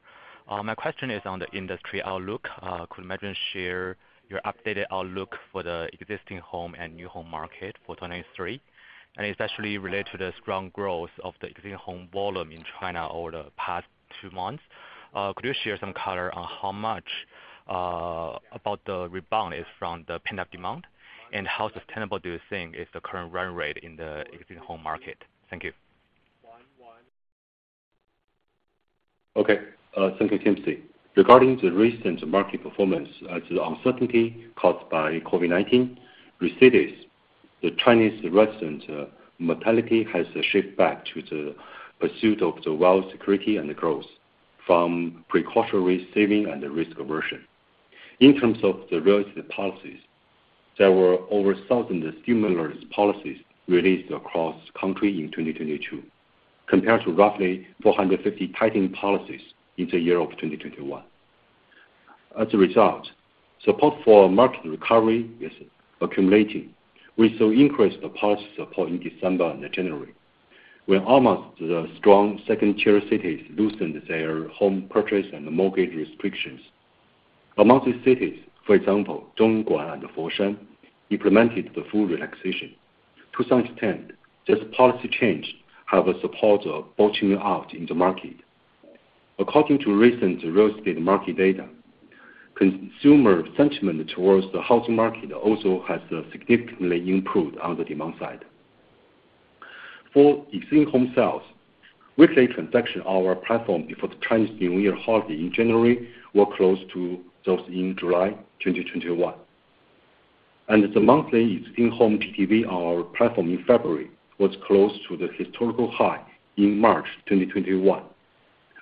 My question is on the industry outlook. Could Madeline share your updated outlook for the existing home and new home market for 2023? Especially related to the strong growth of the existing home volume in China over the past 2 months. Could you share some color on how much about the rebound is from the pent-up demand? How sustainable do you think is the current run rate in the existing home market? Thank you.
Okay. Thank you, Timothy. Regarding the recent market performance, to the uncertainty caused by COVID-19 recedes, the Chinese residents mentality has shaped back to the pursuit of the wealth security and the growth from precautionary saving and risk aversion. In terms of the real estate policies, there were over 1,000 stimulus policies released across country in 2022, compared to roughly 450 tightening policies in the year of 2021. As a result, support for market recovery is accumulating. We saw increased policy support in December and January, where almost the strong second-tier cities loosened their home purchase and mortgage restrictions. Among these cities, for example, Zhongguang and Foshan implemented the full relaxation. To some extent, this policy change have a support of bottoming out in the market. According to recent real estate market data, consumer sentiment towards the housing market also has significantly improved on the demand side. For existing home sales, weekly transaction on our platform before the Chinese New Year holiday in January were close to those in July 2021. The monthly existing home GTV on our platform in February was close to the historical high in March 2021.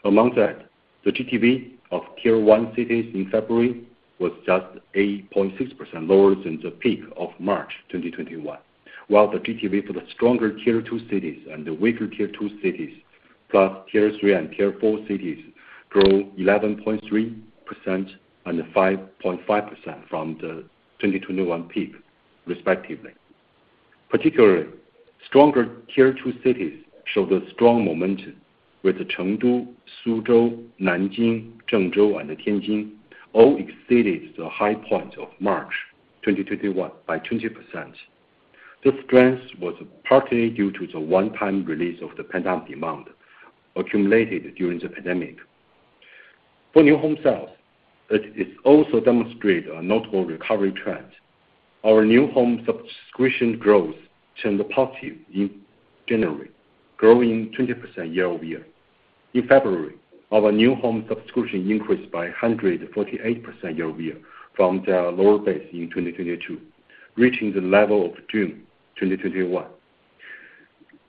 Among that, the GTV of Tier One cities in February was just 8.6% lower than the peak of March 2021, while the GTV for the stronger Tier Two cities and the weaker Tier Two cities, plus Tier Three and Tier Four cities grow 11.3% and 5.5% from the 2021 peak, respectively. Particularly, stronger Tier Two cities showed a strong momentum with Chengdu, Suzhou, Nanjing, Zhengzhou, and Tianjin all exceeded the high point of March 2021 by 20%. The strength was partly due to the one-time release of the pent-up demand accumulated during the pandemic. For new home sales, it also demonstrate a notable recovery trend. Our new home subscription growth turned positive in January, growing 20% year-over-year. In February, our new home subscription increased by 148% year-over-year from the lower base in 2022, reaching the level of June 2021,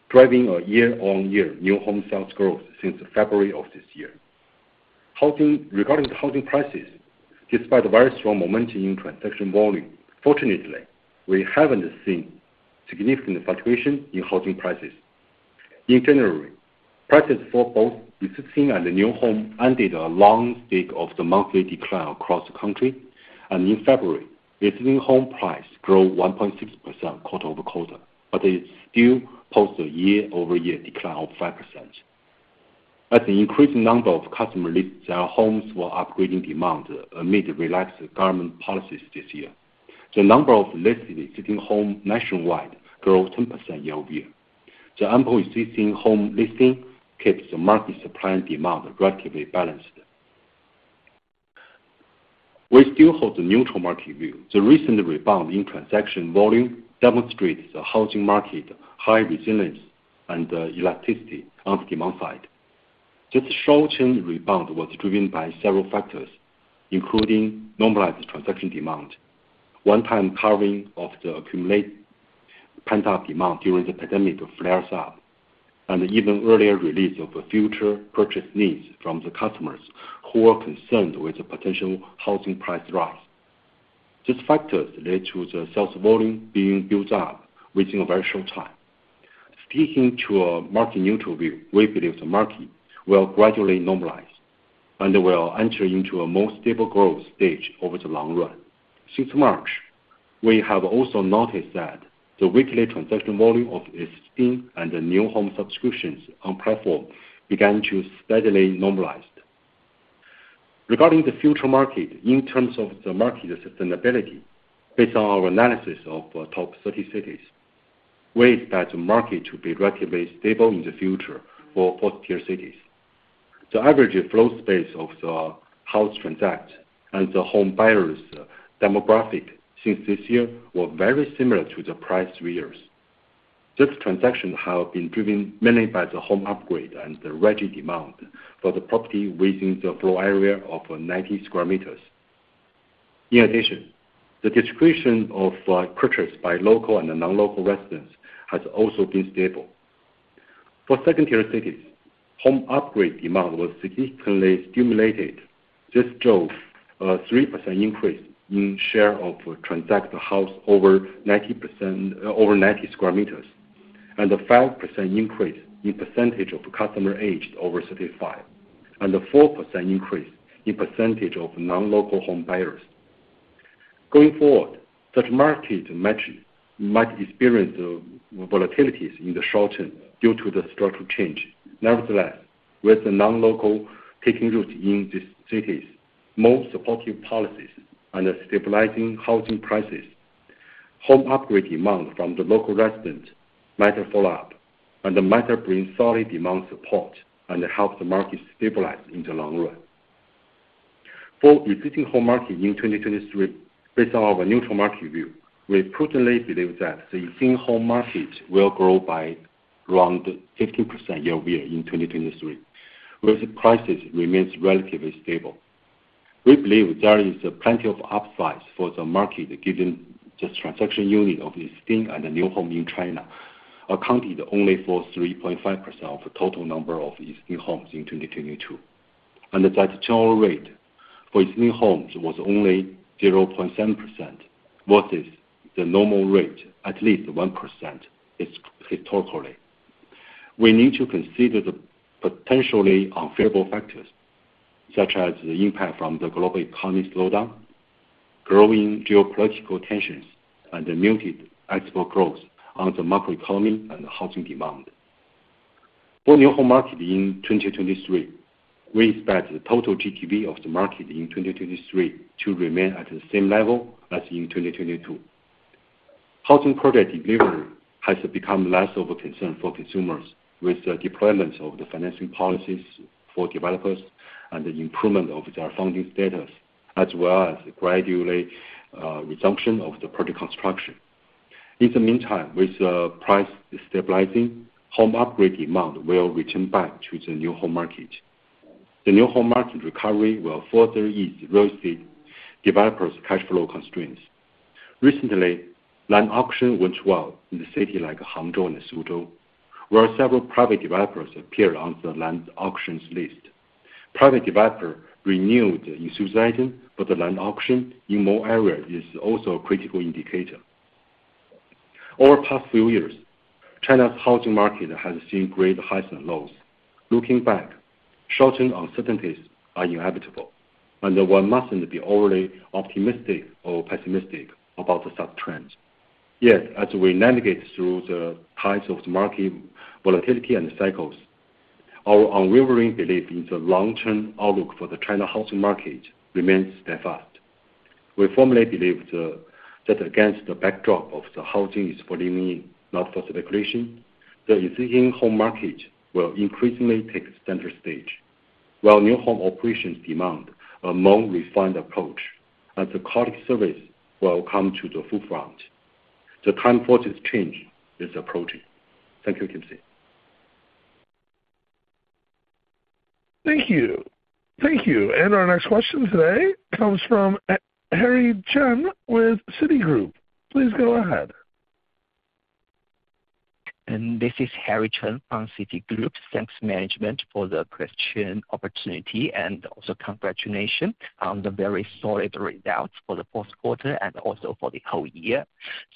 driving a year-on-year new home sales growth since February of this year. Regarding the housing prices, despite the very strong momentum in transaction volume, fortunately, we haven't seen significant fluctuation in housing prices. In January, prices for both existing and the new home ended a long streak of the monthly decline across the country. In February, existing home price grow 1.6% quarter-over-quarter, but it still posts a year-over-year decline of 5%. As the increased number of customer list their homes for upgrading demand amid relaxed government policies this year. The number of listed existing home nationwide grew 10% year-over-year. The ample existing home listing keeps the market supply and demand relatively balanced. We still hold a neutral market view. The recent rebound in transaction volume demonstrates the housing market high resilience and elasticity on the demand side. This short-term rebound was driven by several factors, including normalized transaction demand, one-time release of the accumulate pent-up demand during the pandemic flares up, and even earlier release of future purchase needs from the customers who are concerned with the potential housing price rise. These factors led to the sales volume being built up within a very short time. Sticking to a market-neutral view, we believe the market will gradually normalize and will enter into a more stable growth stage over the long run. Since March, we have also noticed that the weekly transaction volume of existing and the new home subscriptions on platform began to steadily normalized. Regarding the future market, in terms of the market sustainability, based on our analysis of top 30 cities, we expect the market to be relatively stable in the future for both tier cities. The average floor space of the house transacted and the home buyers demographic since this year were very similar to the prior 3 years. This transaction have been driven mainly by the home upgrade and the rigid demand for the property within the floor area of 90 square meters. In addition, the distribution of purchase by local and the non-local residents has also been stable. For second-tier cities, home upgrade demand was significantly stimulated. This drove a 3% increase in share of transact house over 90 square meters, and a 5% increase in percentage of customer aged over 35, and a 4% increase in percentage of non-local home buyers. Going forward, such market match might experience volatilities in the short term due to the structural change. Nevertheless, with the non-local taking root in these cities, more supportive policies and stabilizing housing prices, home upgrade demand from the local residents might follow up and might help bring solid demand support and help the market stabilize in the long run. For existing home market in 2023, based on our neutral market view, we presently believe that the existing home market will grow by around 15% year-over-year in 2023, where the prices remains relatively stable. We believe there is plenty of upsides for the market given this transaction unit of existing and new home in China. Accounted only for 3.5% of the total number of existing homes in 2022. That turnover rate for existing homes was only 0.7% versus the normal rate at least 1% historically. We need to consider the potentially unfavorable factors, such as the impact from the global economy slowdown, growing geopolitical tensions, and the muted export growth on the macroeconomy and housing demand. For new home market in 2023, we expect the total GTV of the market in 2023 to remain at the same level as in 2022. Housing project delivery has become less of a concern for consumers, with the deployment of the financing policies for developers and the improvement of their funding status, as well as gradually, resumption of the project construction. With price stabilizing, home upgrade demand will return back to the new home market. The new home market recovery will further ease real estate developers' cash flow constraints. Recently, land auction went well in the city like Hangzhou and Suzhou, where several private developers appeared on the land auctions list. Private developer renewed enthusiasm for the land auction in more areas is also a critical indicator. Over the past few years, China's housing market has seen great highs and lows. Looking back, short-term uncertainties are inevitable, and one mustn't be overly optimistic or pessimistic about the sub-trends. Yet, as we navigate through the tides of the market volatility and cycles, our unwavering belief in the long-term outlook for the China housing market remains steadfast. We firmly believe that against the backdrop of the housing is for living, not for speculation, the existing home market will increasingly take center stage, while new home operations demand a more refined approach, and the quality service will come to the forefront. The time for this change is approaching. Thank you, Kingsley.
Thank you. Thank you. Our next question today comes from Griffin Chan with Citigroup. Please go ahead.
This is Griffin Chan from Citigroup. Thanks, management, for the question opportunity, and also congratulations on the very solid results for the fourth quarter and also for the whole year.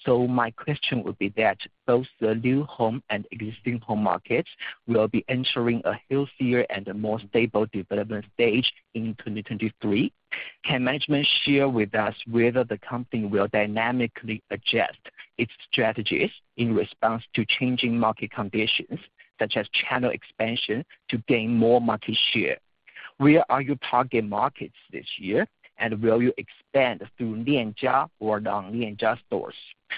My question would be that both the new home and existing home markets will be entering a healthier and a more stable development stage in 2023. Can management share with us whether the company will dynamically adjust its strategies in response to changing market conditions, such as channel expansion to gain more market share? Where are your target markets this year? Will you expand through Lianjia or non-Lianjia stores?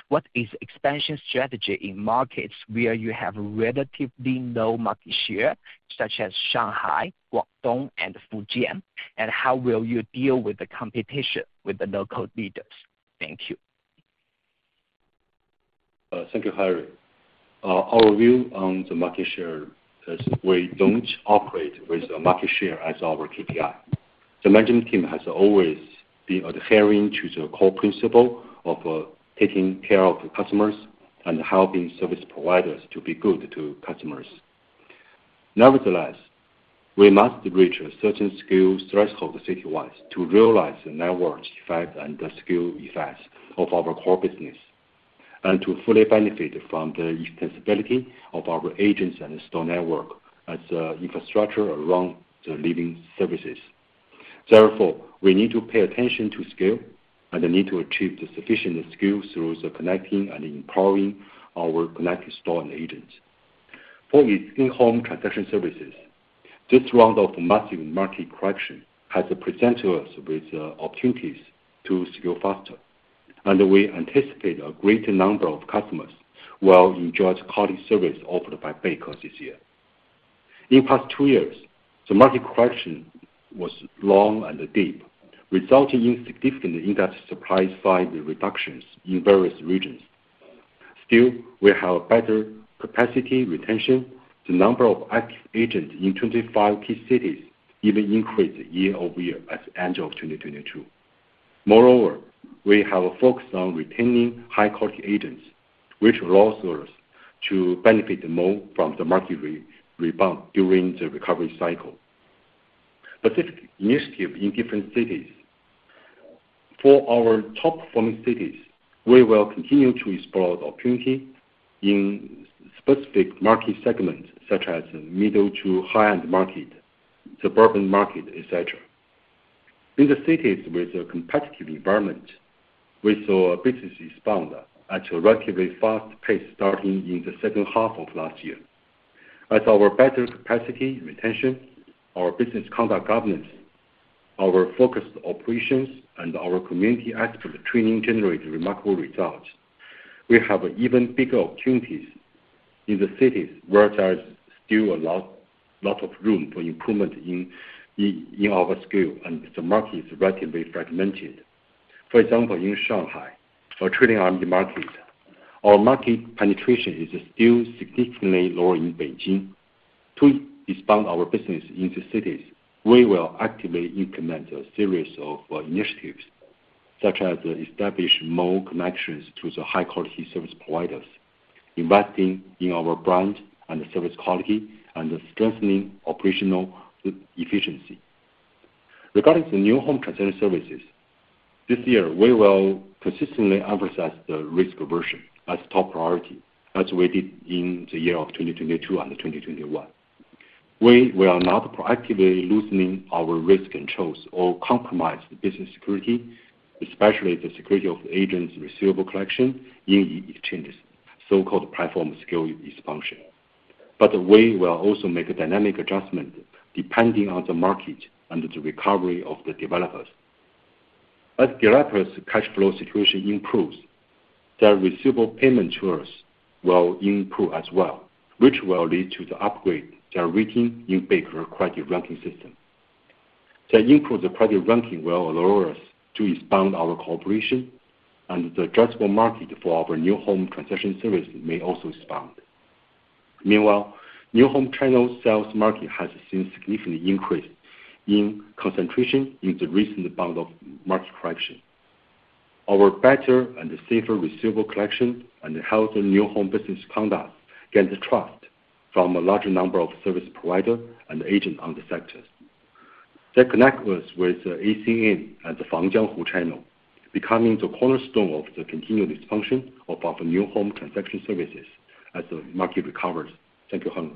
What is expansion strategy in markets where you have relatively low market share, such as Shanghai, Guangdong, and Fujian? How will you deal with the competition with the local leaders? Thank you.
Thank you, Griffin. Our view on the market share is we don't operate with the market share as our KPI. The management team has always been adhering to the core principle of taking care of the customers and helping service providers to be good to customers. Nevertheless, we must reach a certain scale threshold city-wise to realize the network effect and the scale effects of our core business, and to fully benefit from the extensibility of our agents and store network as infrastructure around the living services. Therefore, we need to pay attention to scale and the need to achieve the sufficient scale through the connecting and empowering our connected store and agents. For existing home transaction services, this round of massive market correction has presented us with opportunities to scale faster. We anticipate a greater number of customers will enjoy the quality service offered by Beike this year. In past two years, the market correction was long and deep, resulting in significant industry supply-side reductions in various regions. Still, we have better capacity retention. The number of active agents in 25 key cities even increased year-over-year at the end of 2022. Moreover, we have a focus on retaining high-quality agents, which allows us to benefit more from the market rebound during the recovery cycle. Specific initiative in different cities. For our top-performing cities, we will continue to explore opportunity in specific market segments, such as middle to high-end market, suburban market, et cetera. In the cities with a competitive environment, we saw our business expand at a relatively fast pace starting in the second half of last year. Our better capacity and retention, our business conduct governance, our focused operations, and our community expert training generated remarkable results. We have even bigger opportunities in the cities where there is still a lot of room for improvement in our scale, and the market is relatively fragmented. For example, in Shanghai, our trading army market or market penetration is still significantly lower in Beijing. To expand our business in the cities, we will actively implement a series of initiatives, such as establish more connections to the high quality service providers, investing in our brand and service quality, and strengthening operational efficiency. Regarding the new home transaction services, this year, we will consistently emphasize the risk aversion as top priority, as we did in the year of 2022 and 2021. We will not proactively loosening our risk controls or compromise the business security, especially the security of agents' receivable collection in exchanges, so-called platform skill expansion. We will also make a dynamic adjustment depending on the market and the recovery of the developers. As developers cash flow situation improves, their receivable payment to us will improve as well, which will lead to the upgrade their rating in Beike credit ranking system. To improve the credit ranking will allow us to expand our cooperation, and the addressable market for our new home transaction service may also expand. Meanwhile, new home channel sales market has seen significant increase in concentration in the recent bout of market correction. Our better and safer receivable collection and healthier new home business conduct gains trust from a larger number of service provider and agent on the sectors. They connect us with ACN and the FangJianghu channel, becoming the cornerstone of the continued expansion of our new home transaction services as the market recovers. Thank you, Griffin.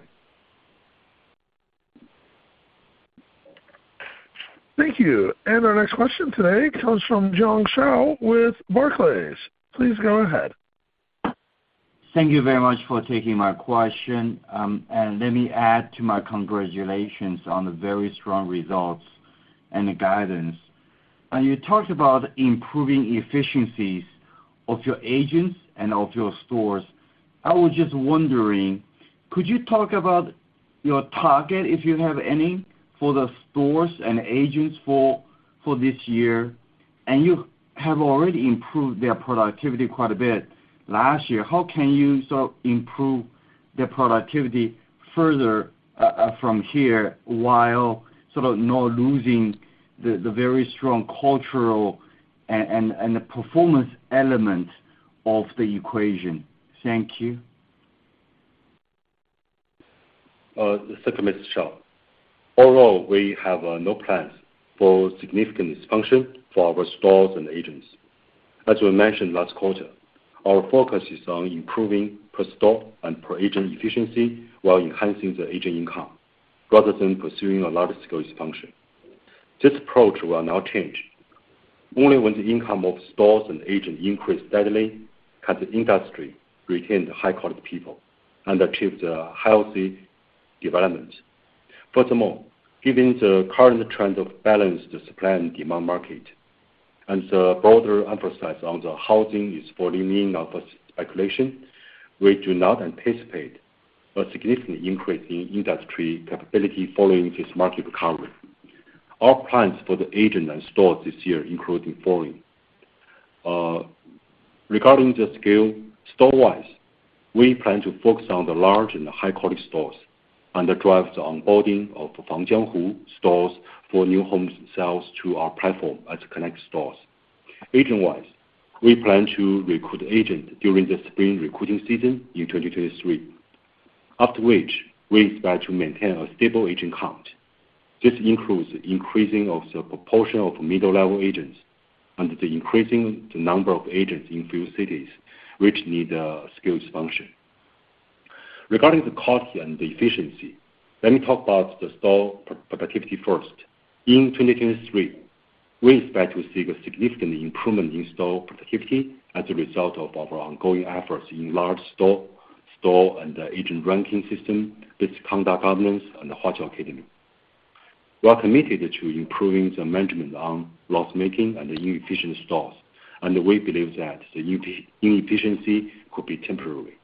Thank you. Our next question today comes from Jiong Shao with Barclays. Please go ahead.
Thank you very much for taking my question. Let me add to my congratulations on the very strong results and the guidance. You talked about improving efficiencies of your agents and of your stores. I was just wondering, could you talk about your target, if you have any, for the stores and agents for this year? You have already improved their productivity quite a bit last year. How can you sort of improve their productivity further from here while sort of not losing the very strong cultural and the performance element of the equation? Thank you.
Thank you, Mr. Shao. Although we have no plans for significant expansion for our stores and agents. As we mentioned last quarter, our focus is on improving per store and per agent efficiency while enhancing the agent income, rather than pursuing a large-scale expansion. This approach will not change. Only when the income of stores and agent increase steadily can the industry retain the high quality people and achieve the healthy development. Furthermore, given the current trend of balanced supply and demand market, and the broader emphasis on the housing is for living, not for speculation, we do not anticipate a significant increase in industry capability following this market recovery. Our plans for the agent and stores this year include the following. Regarding the scale, store-wise, we plan to focus on the large and high quality stores, and drive the onboarding of FangJianghu stores for new home sales to our platform at Connect stores. Agent-wise, we plan to recruit agent during the spring recruiting season in 2023. After which, we expect to maintain a stable agent count. This includes increasing of the proportion of middle-level agents and increasing the number of agents in few cities which need skills function. Regarding the cost here and the efficiency, let me talk about the store productivity first. In 2023, we expect to see a significant improvement in store productivity as a result of our ongoing efforts in large store and agent ranking system, this conduct governance, and Huaqiao Academy. We are committed to improving the management on loss-making and inefficient stores. We believe that the inefficiency could be temporary.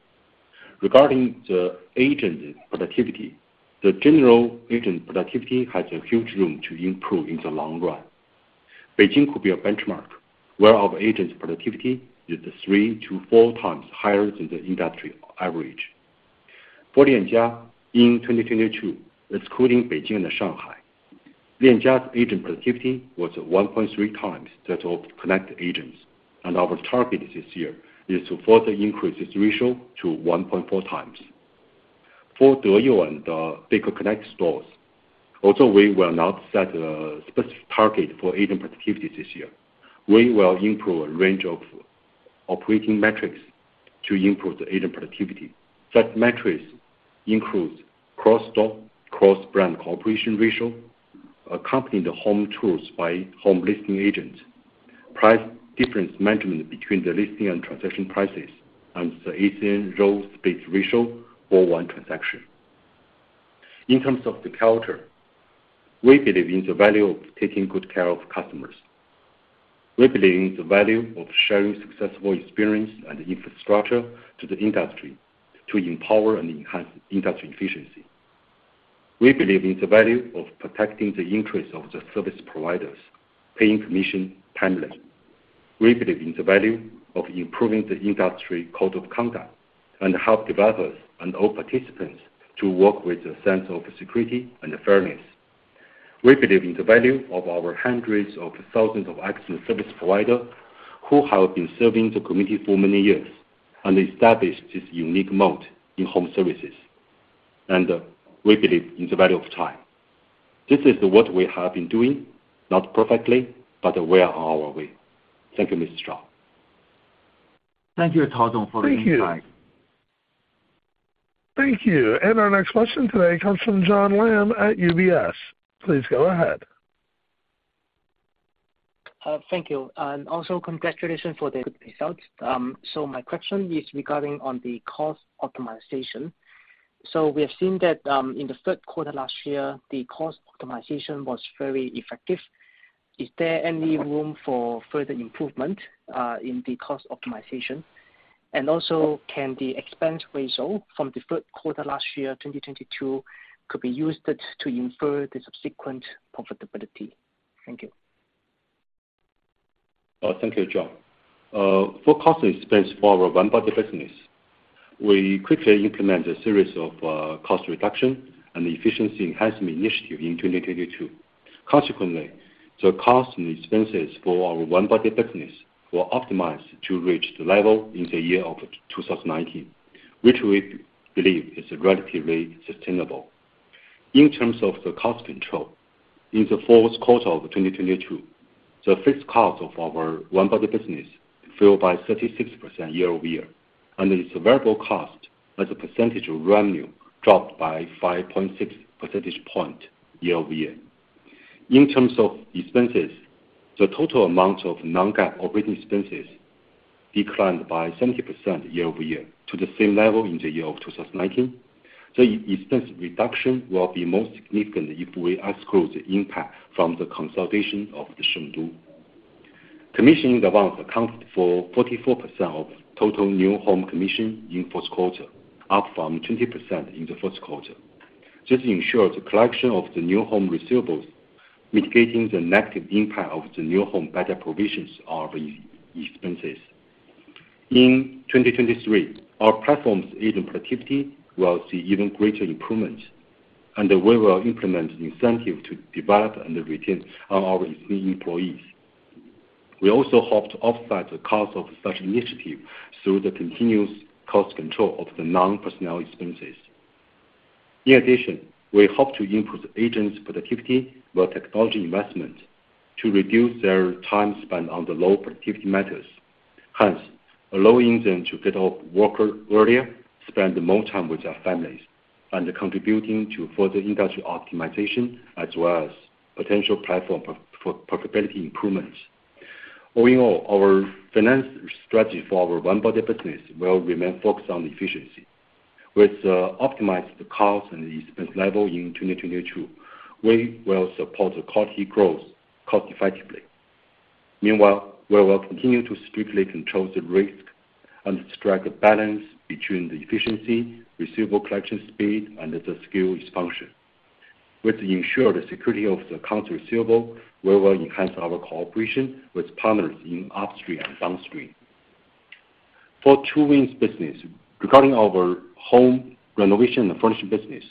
Regarding the agent productivity, the general agent productivity has a huge room to improve in the long run. Beijing could be a benchmark, where our agent's productivity is 3 to 4 times higher than the industry average. For Lianjia, in 2022, excluding Beijing and Shanghai, Lianjia's agent productivity was 1.3 times that of Connect agents. Our target this year is to further increase this ratio to 1.4 times. For Deyou and Beike Connect stores, although we will not set a specific target for agent productivity this year, we will improve a range of operating metrics to improve the agent productivity. Such metrics includes cross-store, cross-brand cooperation ratio, accompanying the home tours by home listing agents, price difference management between the listing and transaction prices, and the ACN role split ratio for one transaction. In terms of the culture, we believe in the value of taking good care of customers. We believe in the value of sharing successful experience and infrastructure to the industry to empower and enhance industry efficiency. We believe in the value of protecting the interest of the service providers, paying commission timely. We believe in the value of improving the industry code of conduct and help developers and all participants to work with a sense of security and fairness. We believe in the value of our hundreds of thousands of excellent service provider who have been serving the community for many years and established this unique mode in home services, and we believe in the value of time. This is what we have been doing, not perfectly, but we're on our way. Thank you, Mr. Shao.
Thank you, Tao Xu, for the insight.
Thank you. Thank you. Our next question today comes from John Lam at UBS. Please go ahead.
Thank you, and also congratulations for the results. My question is regarding on the cost optimization. We have seen that in the third quarter last year, the cost optimization was very effective. Is there any room for further improvement in the cost optimization? Can the expense ratio from the third quarter last year, 2022, could be used to infer the subsequent profitability? Thank you.
Thank you, John. For cost and expense for our one-body business, we quickly implement a series of cost reduction and efficiency enhancement initiative in 2022. Consequently, the cost and expenses for our one-body business were optimized to reach the level in 2019, which we believe is relatively sustainable. In terms of the cost control, in the fourth quarter of 2022, the fixed cost of our one-body business fell by 36% year-over-year, and its variable cost as a percentage of revenue dropped by 5.6 percentage point year-over-year. In terms of expenses, the total amount of non-GAAP operating expenses declined by 70% year-over-year to the same level in 2019. The e-expense reduction will be most significant if we exclude the impact from the consolidation of Shengdu. Commission in Advance accounted for 44% of total new home commission in fourth quarter, up from 20% in the first quarter. This ensures the collection of the new home receivables, mitigating the negative impact of the new home bad debt provisions on the expenses. In 2023, our platform's agent productivity will see even greater improvement, and we will implement incentive to develop and retain our existing employees. We also hope to offset the cost of such initiative through the continuous cost control of the non-personnel expenses. In addition, we hope to improve the agents' productivity with technology investment to reduce their time spent on the low productivity matters, hence allowing them to get off work earlier, spend more time with their families, and contributing to further industry optimization as well as potential platform profitability improvements. All in all, our finance strategy for our One Body business will remain focused on efficiency. With the optimized cost and expense level in 2022, we will support the quality growth cost effectively. Meanwhile, we will continue to strictly control the risk and strike a balance between the efficiency, receivable collection speed, and the skill function. With ensure the security of the account receivable, we will enhance our cooperation with partners in upstream and downstream. For Two Wings business, regarding our home renovation and furnishing business,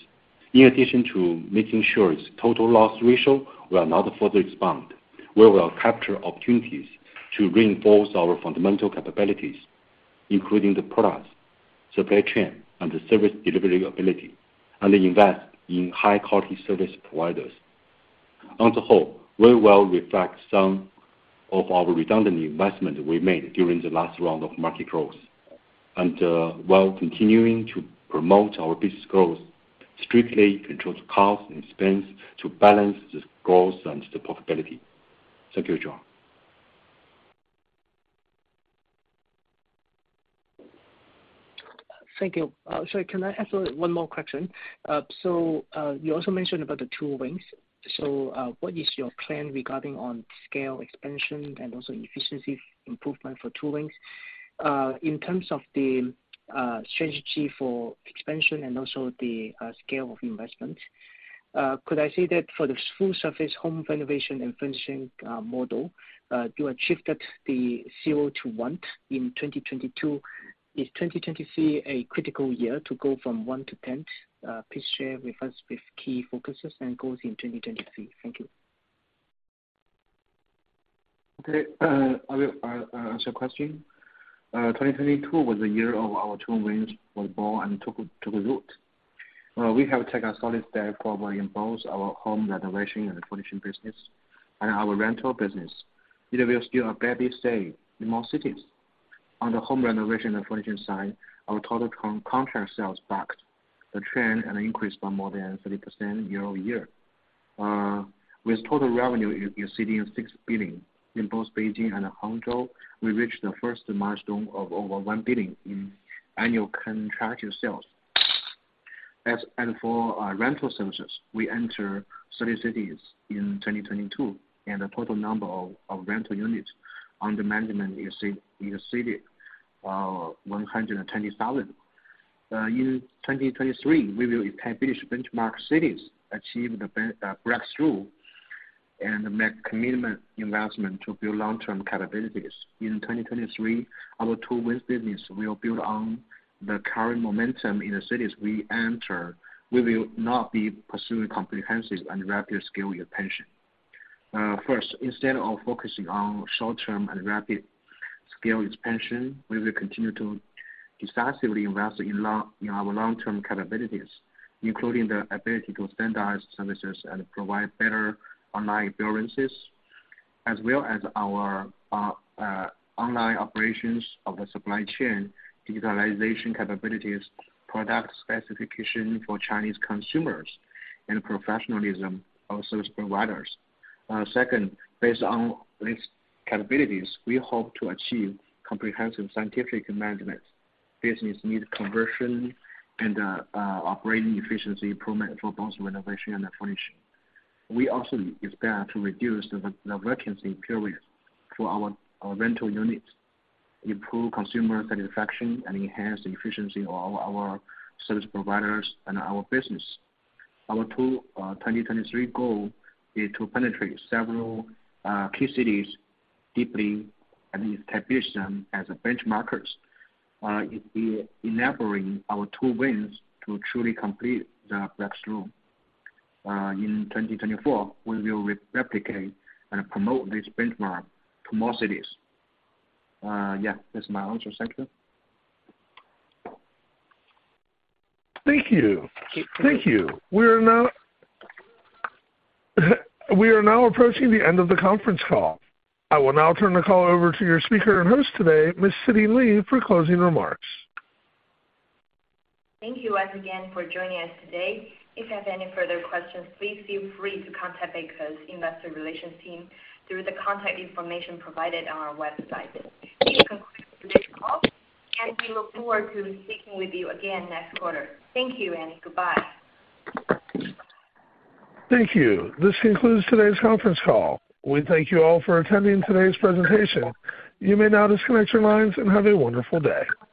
in addition to making sure its total loss ratio will not further expand, we will capture opportunities to reinforce our fundamental capabilities, including the products, supply chain, and the service delivery ability, and invest in high-quality service providers. On the whole, we will reflect some of our redundant investment we made during the last round of market growth. while continuing to promote our business growth, strictly control the cost and expense to balance the growth and the profitability. Thank you, John.
Thank you. Sorry, can I ask one more question? You also mentioned about the Two Wings. What is your plan regarding on scale expansion and also efficiency improvement for Two Wings? In terms of the strategy for expansion and also the scale of investment, could I say that for the full-service home renovation and furnishing model, you achieved that the 0 to 1 in 2022. Is 2023 a critical year to go from 1 to 10, please share with us with key focuses and goals in 2023? Thank you.
Okay. I will answer your question. 2022 was the year our Two Wings was born and took root. We have taken a solid step forward in both our home renovation and furnishing business and our rental business. It is still a barely stay in most cities. On the home renovation and furnishing side, our total contract sales backed the trend and increased by more than 30% year-over-year. With total revenue exceeding 6 billion in both Beijing and Hangzhou, we reached the first milestone of over 1 billion in annual contract sales. For our rental services, we enter 30 cities in 2022, and the total number of rental units under management exceeded 120,000. In 2023, we will establish benchmark cities, And make commitment investment to build long-term capabilities. In 2023, our two wins business will build on the current momentum in the cities we enter. We will not be pursuing comprehensive and rapid scale expansion. First, instead of focusing on short-term and rapid scale expansion, we will continue to decisively invest in our long-term capabilities, including the ability to standardize services and provide better online experiences, as well as our online operations of the supply chain, digitalization capabilities, product specification for Chinese consumers, and professionalism of service providers. Second, based on these capabilities, we hope to achieve comprehensive scientific management, business need conversion and operating efficiency improvement for both renovation and furnishing. We also expect to reduce the vacancy period for our rental units, improve consumer satisfaction, and enhance the efficiency of our service providers and our business. Our 2023 goal is to penetrate several key cities deeply and establish them as benchmarks, enabling our Two Wings to truly complete the breakthrough. In 2024, we will replicate and promote this benchmark to more cities. Yeah, that's my answer. Thank you.
Thank you. Thank you. We are now approaching the end of the conference call. I will now turn the call over to your speaker and host today, Ms. Siting Li, for closing remarks.
Thank you once again for joining us today. If you have any further questions, please feel free to contact Beike's investor relations team through the contact information provided on our website. This concludes today's call, and we look forward to speaking with you again next quarter. Thank you. Goodbye.
Thank you. This concludes today's conference call. We thank you all for attending today's presentation. You may now disconnect your lines and have a wonderful day.